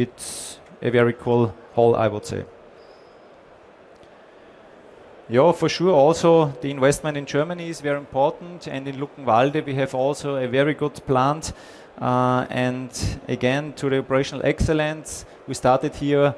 It's a very cool hall, I would say. Yeah, for sure, also, the investment in Germany is very important, and in Luckenwalde we have also a very good plant. To the operational excellence, we started here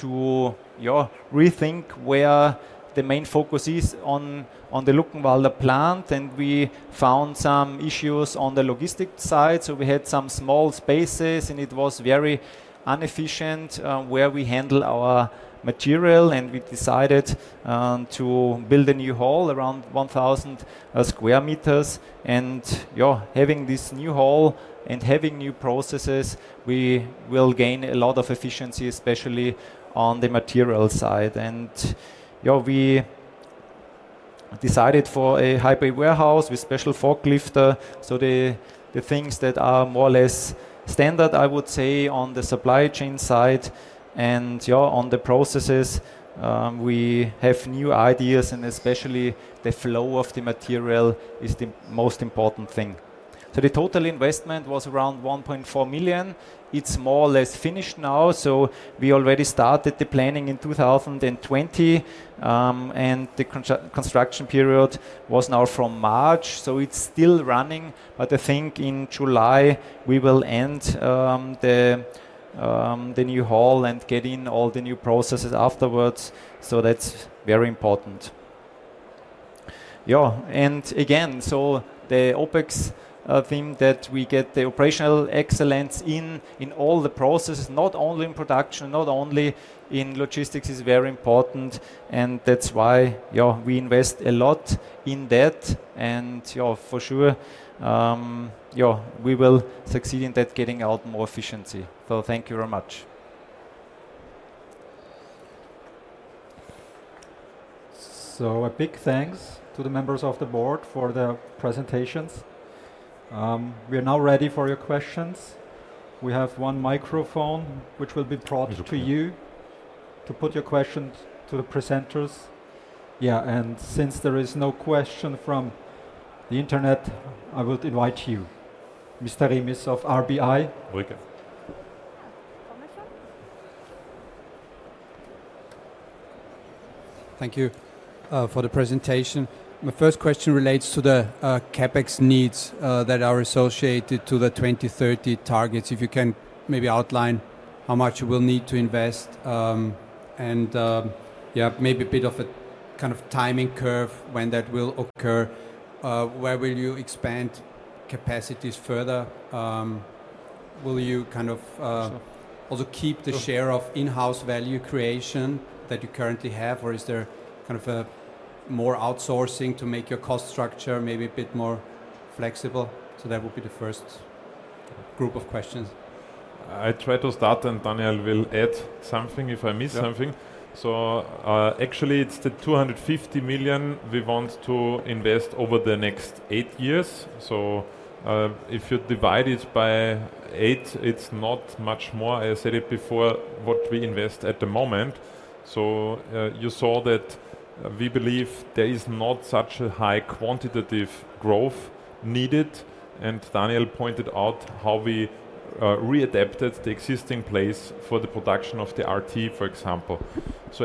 to, yeah, rethink where the main focus is on the Luckenwalde plant, and we found some issues on the logistics side. We had some small spaces, and it was very inefficient, where we handle our material, and we decided to build a new hall, around 1,000 square meters. Yeah, having this new hall and having new processes, we will gain a lot of efficiency, especially on the material side. Yeah, we decided for a hybrid warehouse with special forklift. The things that are more or less standard, I would say, on the supply chain side and, yeah, on the processes, we have new ideas, and especially the flow of the material is the most important thing. The total investment was around 1.4 million. It's more or less finished now. We already started the planning in 2020, and the construction period was now from March. It's still running, but I think in July we will end the new hall and get in all the new processes afterwards, that's very important. Yeah, the OpEx theme that we get the operational excellence in all the processes, not only in production, not only in logistics, is very important, and that's why, yeah, we invest a lot in that. Yeah, for sure, yeah, we will succeed in that getting out more efficiency. Thank you very much. A big thanks to the members of the board for their presentations. We are now ready for your questions. We have one microphone which will be brought to you to put your questions to the presenters. Since there is no question from the internet, I will invite you, Mr. Remus of RBI. Welcome. Yeah, come this way. Thank you for the presentation. My first question relates to the CapEx needs that are associated to the 2030 targets. If you can maybe outline how much you will need to invest, and yeah, maybe a bit of a kind of timing curve when that will occur. Where will you expand capacities further? Will you kind of Sure Also keep the share of in-house value creation that you currently have, or is there kind of a more outsourcing to make your cost structure maybe a bit more flexible? That would be the first group of questions. I try to start, and Daniel will add something if I miss something. Yeah. Actually, it's the 250 million we want to invest over the next 8 years. If you divide it by 8, it's not much more, I said it before, what we invest at the moment. You saw that we believe there is not such a high quantitative growth needed, and Daniel pointed out how we readapted the existing place for the production of the RT, for example.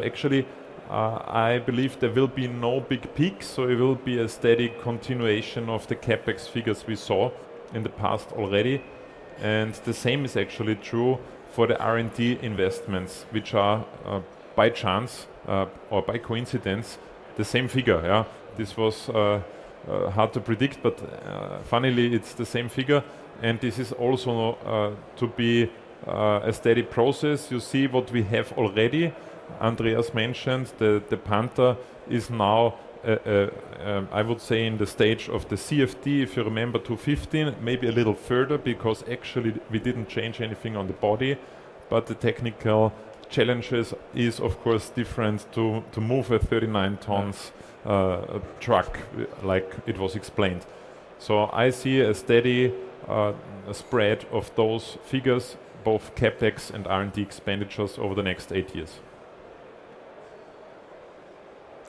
Actually, I believe there will be no big peaks, so it will be a steady continuation of the CapEx figures we saw in the past already. The same is actually true for the R&D investments, which are, by chance, or by coincidence, the same figure. Yeah. This was hard to predict, but funnily, it's the same figure, and this is also to be a steady process. You see what we have already. Andreas mentioned the PANTHER is now, I would say in the stage of the CFT, if you remember 2015, maybe a little further because actually we didn't change anything on the body. The technical challenges is of course different to to move a 39 tons. Yeah... truck, like it was explained. I see a steady spread of those figures, both CapEx and R&D expenditures over the next 8 years.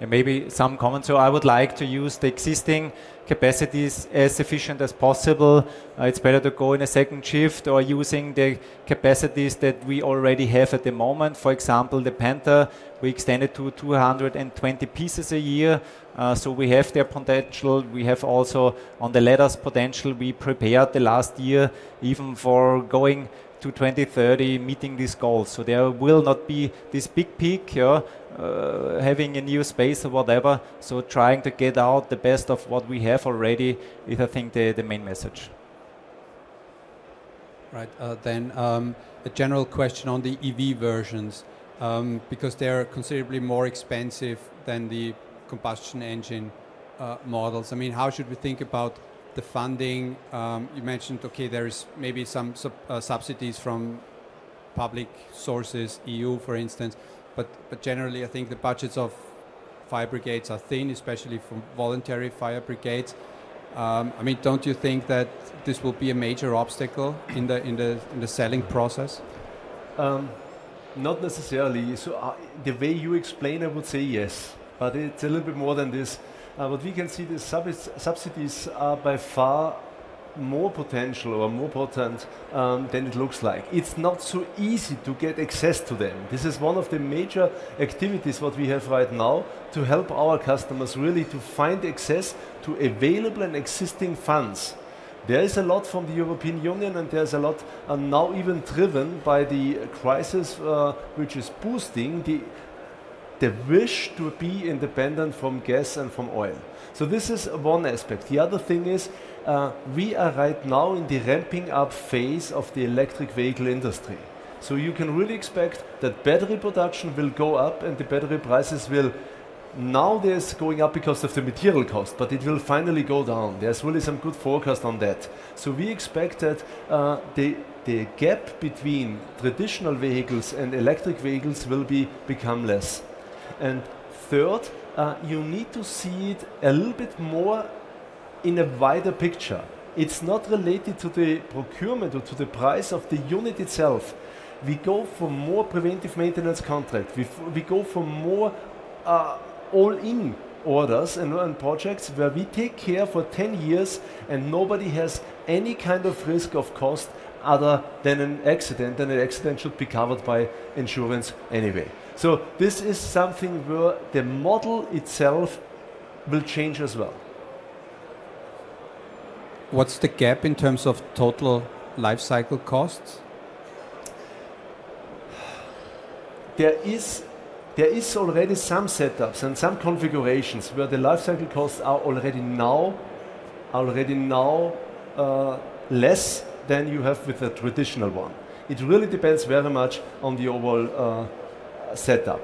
Maybe some comments. I would like to use the existing capacities as efficient as possible. It's better to go in a second shift or using the capacities that we already have at the moment. For example, the PANTHER, we extended to 220 pieces a year. We have there potential. We have also on the ladders potential, we prepared the last year even for going to 2030 meeting these goals. There will not be this big peak here, having a new space or whatever. Trying to get the best out of what we have already is I think the main message. A general question on the EV versions, because they're considerably more expensive than the combustion engine models. I mean, how should we think about the funding? You mentioned, okay, there's maybe some subsidies from public sources, EU, for instance. Generally, I think the budgets of fire brigades are thin, especially from voluntary fire brigades. I mean, don't you think that this will be a major obstacle in the selling process? Not necessarily. The way you explain, I would say yes, but it's a little bit more than this. What we can see the subsidies are by far more potential or more potent than it looks like. It's not so easy to get access to them. This is one of the major activities, what we have right now to help our customers really to find access to available and existing funds. There is a lot from the European Union, and there's a lot, and now even driven by the crisis, which is boosting the wish to be independent from gas and from oil. This is one aspect. The other thing is, we are right now in the ramping up phase of the electric vehicle industry. You can really expect that battery production will go up and the battery prices will. They're going up because of the material cost, but it will finally go down. There is really some good forecast on that. We expect that the gap between traditional vehicles and electric vehicles will become less. Third, you need to see it a little bit more in a wider picture. It's not related to the procurement or to the price of the unit itself. We go for more preventive maintenance contract. We go for more all-in orders and projects where we take care for 10 years and nobody has any kind of risk of cost other than an accident, and an accident should be covered by insurance anyway. This is something where the model itself will change as well. What's the gap in terms of total life cycle costs? There is already some setups and some configurations where the life cycle costs are already now less than you have with a traditional one. It really depends very much on the overall setup.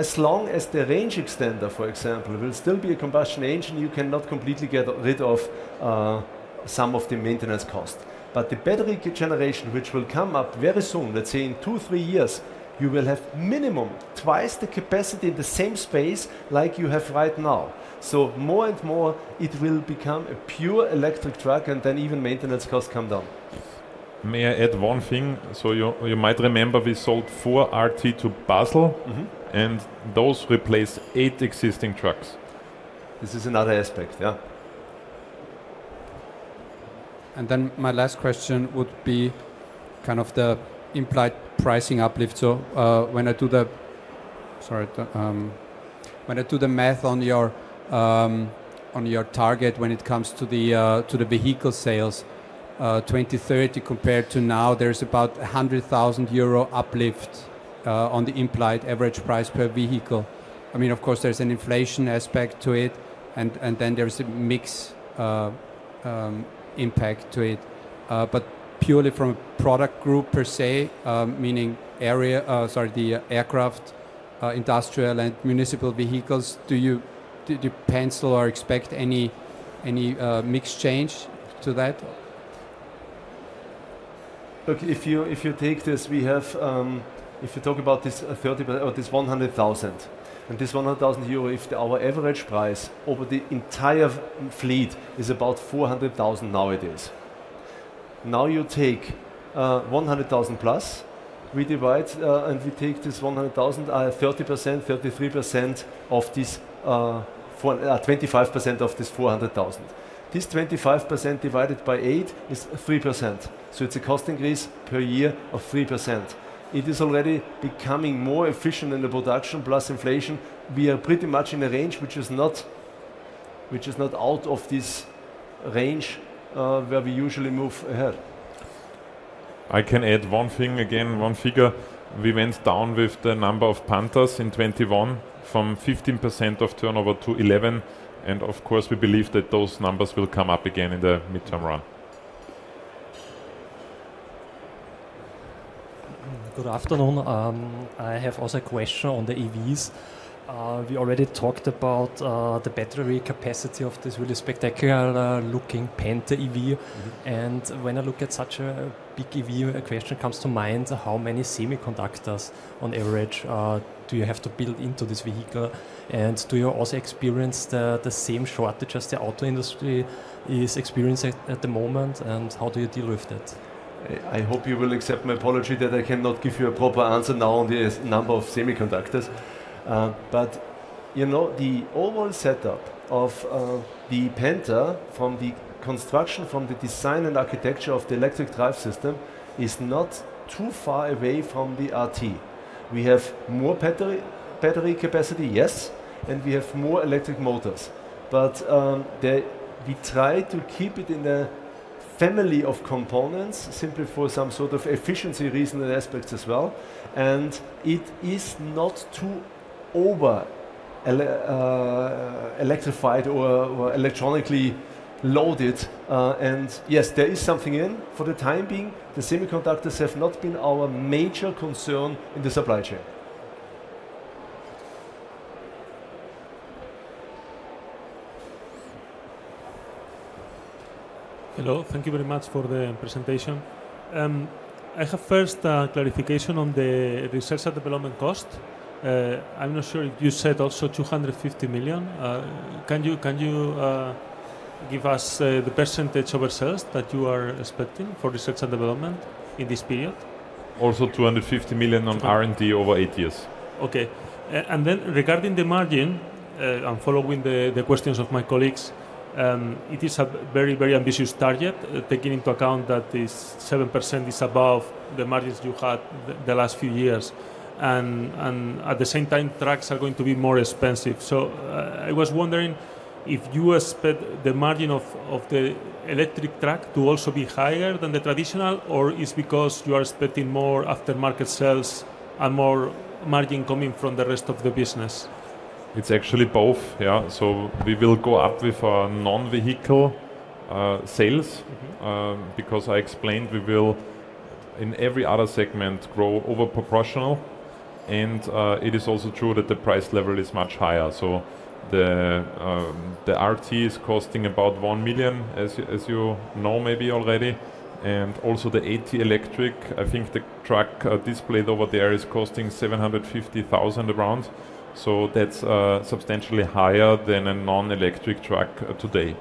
As long as the range extender, for example, will still be a combustion engine, you cannot completely get rid of some of the maintenance cost. The battery generation, which will come up very soon, let's say in 2, 3 years, you will have minimum twice the capacity in the same space like you have right now. More and more it will become a pure electric truck, and then even maintenance costs come down. May I add one thing? You might remember we sold 4 RT to Basel. Mm-hmm. Those replace 8 existing trucks. This is another aspect. Yeah. My last question would be kind of the implied pricing uplift. When I do the math on your target when it comes to the vehicle sales, 2030 compared to now, there's about 100,000 euro uplift on the implied average price per vehicle. I mean, of course, there's an inflation aspect to it, and then there's a mix impact to it. Purely from a product group per se, meaning area, sorry, the aircraft, industrial and municipal vehicles, do you pencil or expect any mix change to that? Look, if you take this, if you talk about this 30% or this 100,000 EUR, and this 100,000 euro, if our average price over the entire fleet is about 400,000 EUR nowadays. Now you take 100,000 EUR plus, we divide, and we take this 100,000 EUR, 30%, 33% of this 400,000 EUR. This 25% divided by 8 is 3%, so it's a cost increase per year of 3%. It is already becoming more efficient in the production plus inflation. We are pretty much in a range which is not out of this range, where we usually move ahead. I can add one thing again, one figure. We went down with the number of PANTHERs in 2021 from 15% of turnover to 11%, and of course, we believe that those numbers will come up again in the midterm run. Good afternoon. I have also a question on the EVs. We already talked about the battery capacity of this really spectacular looking PANTHER EV. Mm-hmm. When I look at such a big EV, a question comes to mind, how many semiconductors on average do you have to build into this vehicle? Do you also experience the same shortages the auto industry is experiencing at the moment, and how do you deal with it? I hope you will accept my apology that I cannot give you a proper answer now on the number of semiconductors. You know, the overall setup of the PANTHER from the construction, from the design and architecture of the electric drive system, is not too far away from the RT. We have more battery capacity, yes, and we have more electric motors. We try to keep it in a family of components, simply for some sort of efficiency reason and aspects as well. It is not too over electrified or electronically loaded. Yes, there is something in. For the time being, the semiconductors have not been our major concern in the supply chain. Hello. Thank you very much for the presentation. I have first a clarification on the research and development cost. I'm not sure, you said also 250 million. Can you give us the percentage of sales that you are expecting for research and development in this period? Also 250 million on R&D over eight years. Regarding the margin, I'm following the questions of my colleagues. It is a very, very ambitious target, taking into account that this 7% is above the margins you had the last few years. At the same time, trucks are going to be more expensive. I was wondering if you expect the margin of the electric truck to also be higher than the traditional, or it's because you are expecting more aftermarket sales and more margin coming from the rest of the business? It's actually both. Yeah. We will go up with our non-vehicle sales. Mm-hmm. Because I explained we will, in every other segment, grow over proportional and it is also true that the price level is much higher. The RT is costing about 1 million, as you know maybe already. Also the AT Electric, I think the truck displayed over there is costing around EUR 750,000. That's substantially higher than a non-electric truck today.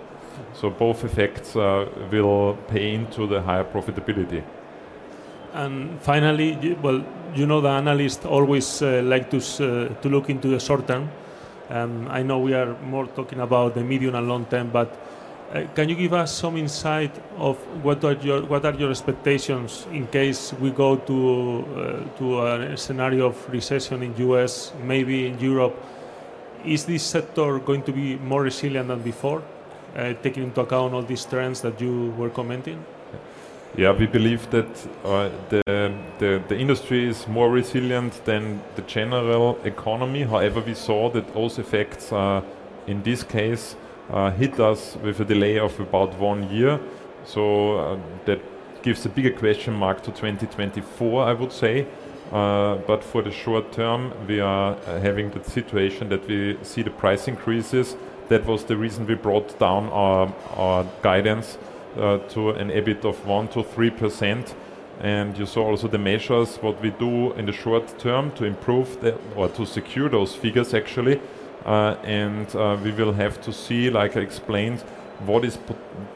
Both effects will pay into the higher profitability. Finally, well, you know the analyst always like to look into the short term, and I know we are more talking about the medium and long term, but can you give us some insight of what are your expectations in case we go to a scenario of recession in U.S., maybe in Europe? Is this sector going to be more resilient than before, taking into account all these trends that you were commenting? Yeah, we believe that the industry is more resilient than the general economy. However, we saw that those effects in this case hit us with a delay of about one year. That gives a bigger question mark to 2024, I would say. But for the short term, we are having the situation that we see the price increases. That was the reason we brought down our guidance to an EBIT of 1%-3%. And you saw also the measures what we do in the short term to improve or to secure those figures actually. And we will have to see, like I explained, what is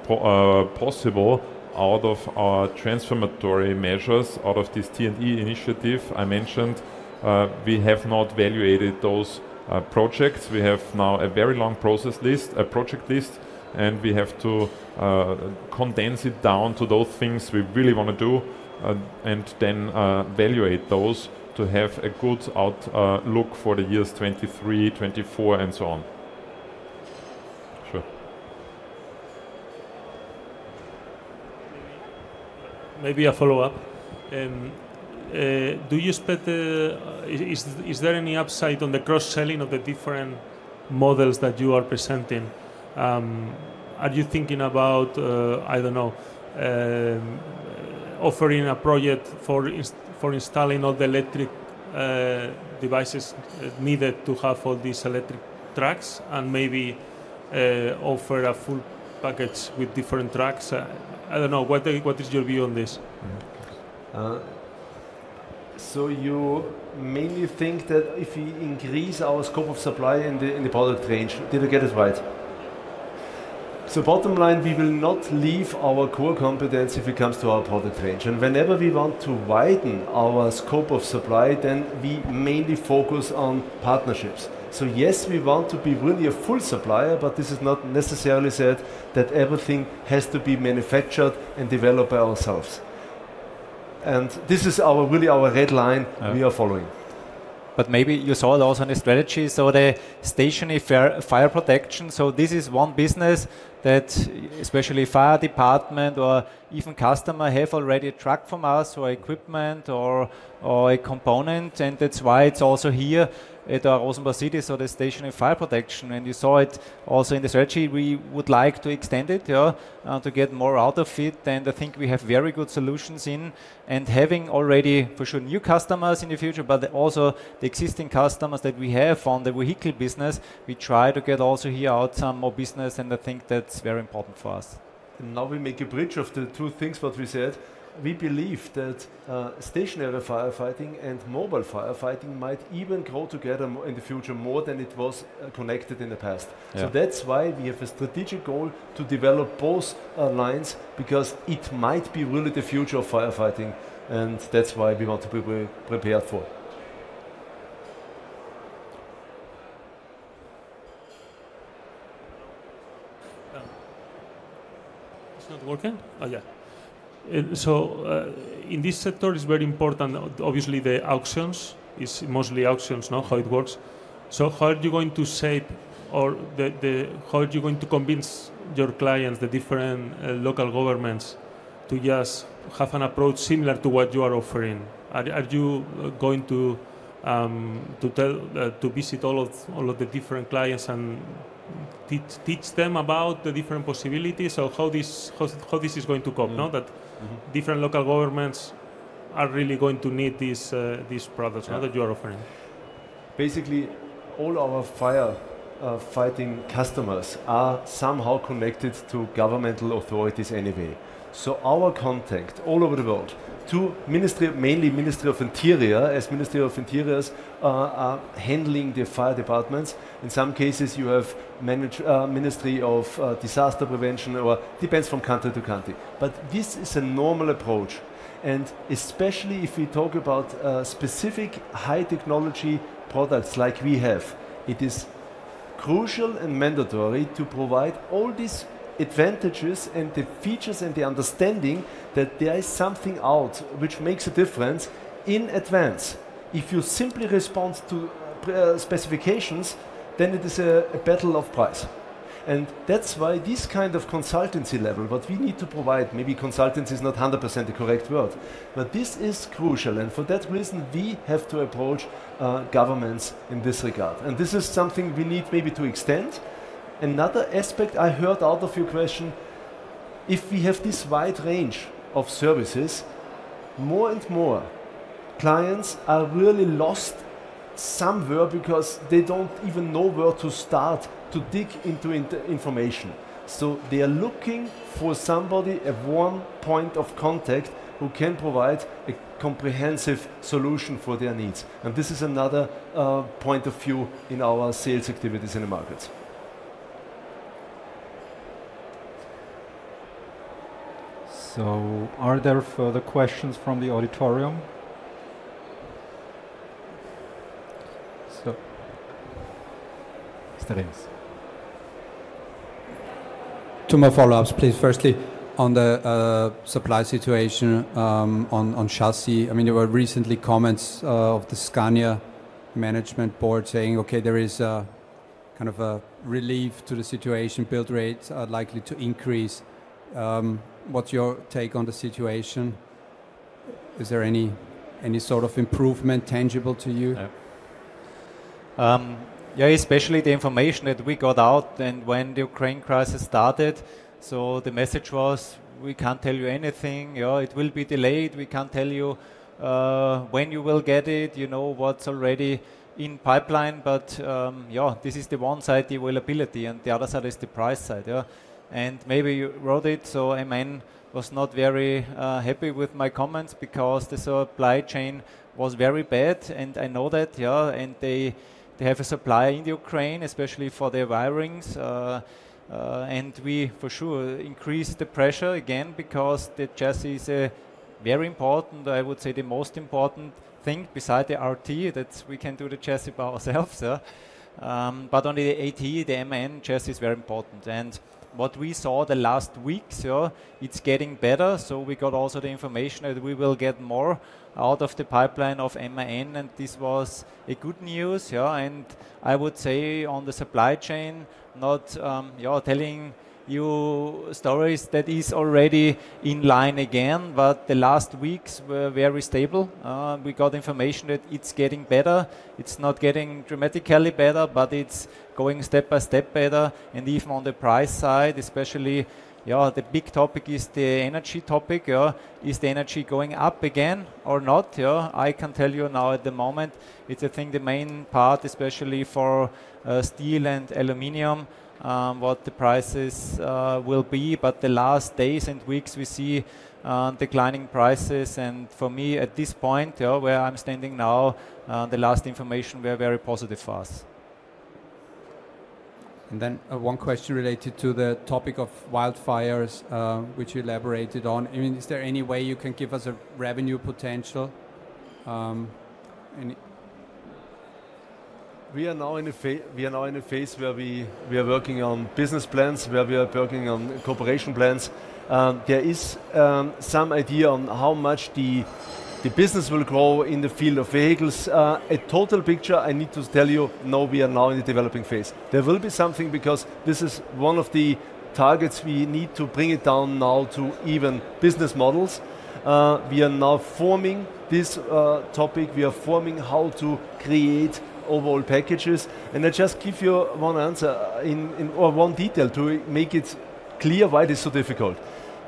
possible out of our transformatory measures, out of this T&E initiative I mentioned. We have not valuated those projects. We have now a very long process list, a project list, and we have to condense it down to those things we really wanna do, and then evaluate those to have a good outlook for the years 2023, 2024, and so on. Sure. Maybe a follow-up. Do you expect is there any upside on the cross-selling of the different models that you are presenting? Are you thinking about, I don't know, offering a project for installing all the electric devices needed to have all these electric trucks, and maybe offer a full package with different trucks? I don't know. What is your view on this? You mainly think that if we increase our scope of supply in the product range. Did I get it right? Bottom line, we will not leave our core competence if it comes to our product range. Whenever we want to widen our scope of supply, then we mainly focus on partnerships. Yes, we want to be really a full supplier, but this is not necessarily said that everything has to be manufactured and developed by ourselves. This is our, really our red line. Yeah We are following. Maybe you saw also in the strategy, so the stationary fire protection. This is one business that, especially fire department or even customer, have already a truck from us, or equipment or a component, and that's why it's also here at our Rosenbauer City, so the stationary fire protection. You saw it also in the strategy, we would like to extend it, yeah, to get more out of it. I think we have very good solutions in, and having already, for sure, new customers in the future, but also the existing customers that we have on the vehicle business, we try to get also here out some more business, and I think that's very important for us. Now we make a bridge of the two things what we said. We believe that stationary firefighting and mobile firefighting might even grow together in the future more than it was connected in the past. Yeah. That's why we have a strategic goal to develop both our lines, because it might be really the future of firefighting, and that's why we want to be pre-prepared for. It's not working? In this sector, it's very important, obviously the auctions. It's mostly auctions, no? How it works. How are you going to convince your clients, the different local governments to just have an approach similar to what you are offering? Are you going to tell to visit all of the different clients and teach them about the different possibilities of how this is going to come, no? Mm-hmm. That different local governments are really going to need these products. Yeah that you are offering. Basically all our firefighting customers are somehow connected to governmental authorities anyway. Our contact all over the world to Ministry of mainly Ministry of Interior, as Ministry of Interiors, are handling the fire departments. In some cases you have Ministry of Disaster Prevention or depends from country to country. This is a normal approach, and especially if we talk about specific high technology products like we have, it is crucial and mandatory to provide all these advantages and the features and the understanding that there is something out which makes a difference in advance. If you simply respond to specifications, then it is a battle of price. That's why this kind of consultancy level, what we need to provide, maybe consultancy is not 100% the correct word, but this is crucial and for that reason, we have to approach governments in this regard. This is something we need maybe to extend. Another aspect I heard out of your question, if we have this wide range of services, more and more clients are really lost somewhere because they don't even know where to start to dig into information. They are looking for somebody at one point of contact who can provide a comprehensive solution for their needs. This is another point of view in our sales activities in the markets. Are there further questions from the auditorium? Mr. Remis. Two more follow-ups, please. Firstly, on the supply situation on chassis. I mean, there were recently comments of the Scania management board saying, okay, there is a kind of a relief to the situation. Build rates are likely to increase. What's your take on the situation? Is there any sort of improvement tangible to you? Yeah, especially the information that we got out and when the Ukraine crisis started, so the message was, we can't tell you anything. You know, it will be delayed. We can't tell you when you will get it, you know, what's already in pipeline. Yeah, this is the one side, the availability, and the other side is the price side, yeah? Maybe you wrote it. MAN was not very happy with my comments because the supply chain was very bad, and I know that, yeah, and they have a supplier in the Ukraine, especially for their wirings. We for sure increased the pressure again because the chassis is very important. I would say the most important thing beside the RT that we can do the chassis by ourselves, yeah. Only the AT, the MAN chassis is very important. What we saw the last weeks, it's getting better. We got also the information that we will get more out of the pipeline of MAN, and this was a good news. I would say on the supply chain, not, you know, telling you stories that is already in line again, the last weeks were very stable. We got information that it's getting better. It's not getting dramatically better, but it's going step by step better. Even on the price side especially, the big topic is the energy topic. Is the energy going up again or not? I can tell you now at the moment, it's I think the main part, especially for, steel and aluminum, what the prices will be. The last days and weeks we see declining prices. For me, at this point, yeah, where I'm standing now, the last information were very positive for us. One question related to the topic of wildfires, which you elaborated on. I mean, is there any way you can give us a revenue potential? We are now in a phase where we are working on business plans, where we are working on cooperation plans. There is some idea on how much the business will grow in the field of vehicles. A total picture, I need to tell you no, we are now in the developing phase. There will be something because this is one of the targets we need to bring it down now to even business models. We are now forming this topic. We are forming how to create overall packages. I just give you one answer or one detail to make it clear why it is so difficult.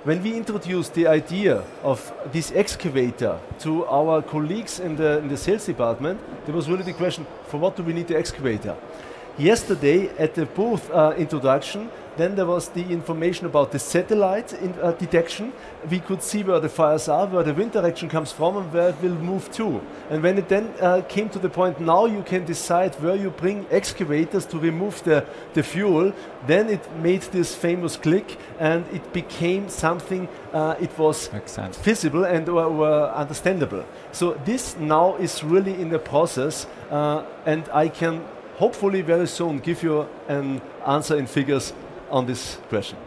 When we introduced the idea of this excavator to our colleagues in the sales department, there was really the question, "For what do we need the excavator?" Yesterday, at the booth, introduction, then there was the information about the satellite in detection. We could see where the fires are, where the wind direction comes from, and where it will move to. When it then came to the point, now you can decide where you bring excavators to remove the fuel, then it made this famous click, and it became something, it was- Makes sense. Feasible and understandable. This now is really in the process. I can hopefully very soon give you an answer in figures on this question.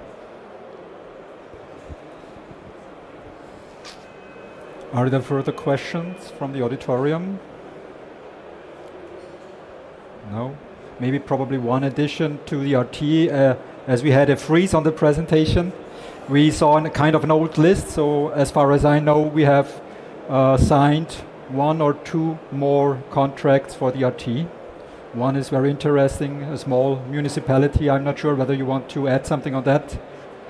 Are there further questions from the auditorium? No? Maybe probably one addition to the RT. As we had a freeze on the presentation, we saw on a kind of an old list. As far as I know, we have signed one or two more contracts for the RT. One is very interesting, a small municipality. I'm not sure whether you want to add something on that.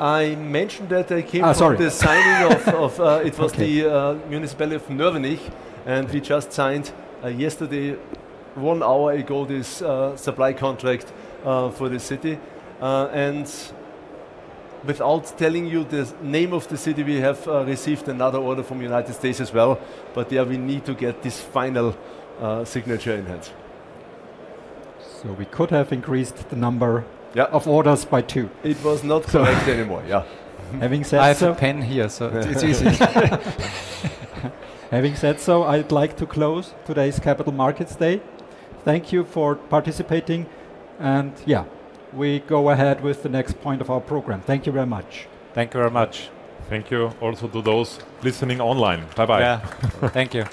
I mentioned that I came. Sorry. From the signing of Okay It was the municipality of Nörvenich, and we just signed yesterday, 1 hour ago, this supply contract for the city. Without telling you the name of the city, we have received another order from United States as well, but there we need to get this final signature in hand. We could have increased the number. Yeah... of orders by 2. It was not correct anymore. Yeah. Having said so. I have a pen here, so it's easy. Having said so, I'd like to close today's Capital Markets Day. Thank you for participating, and yeah, we go ahead with the next point of our program. Thank you very much. Thank you very much. Thank you also to those listening online. Bye-bye. Yeah. Thank you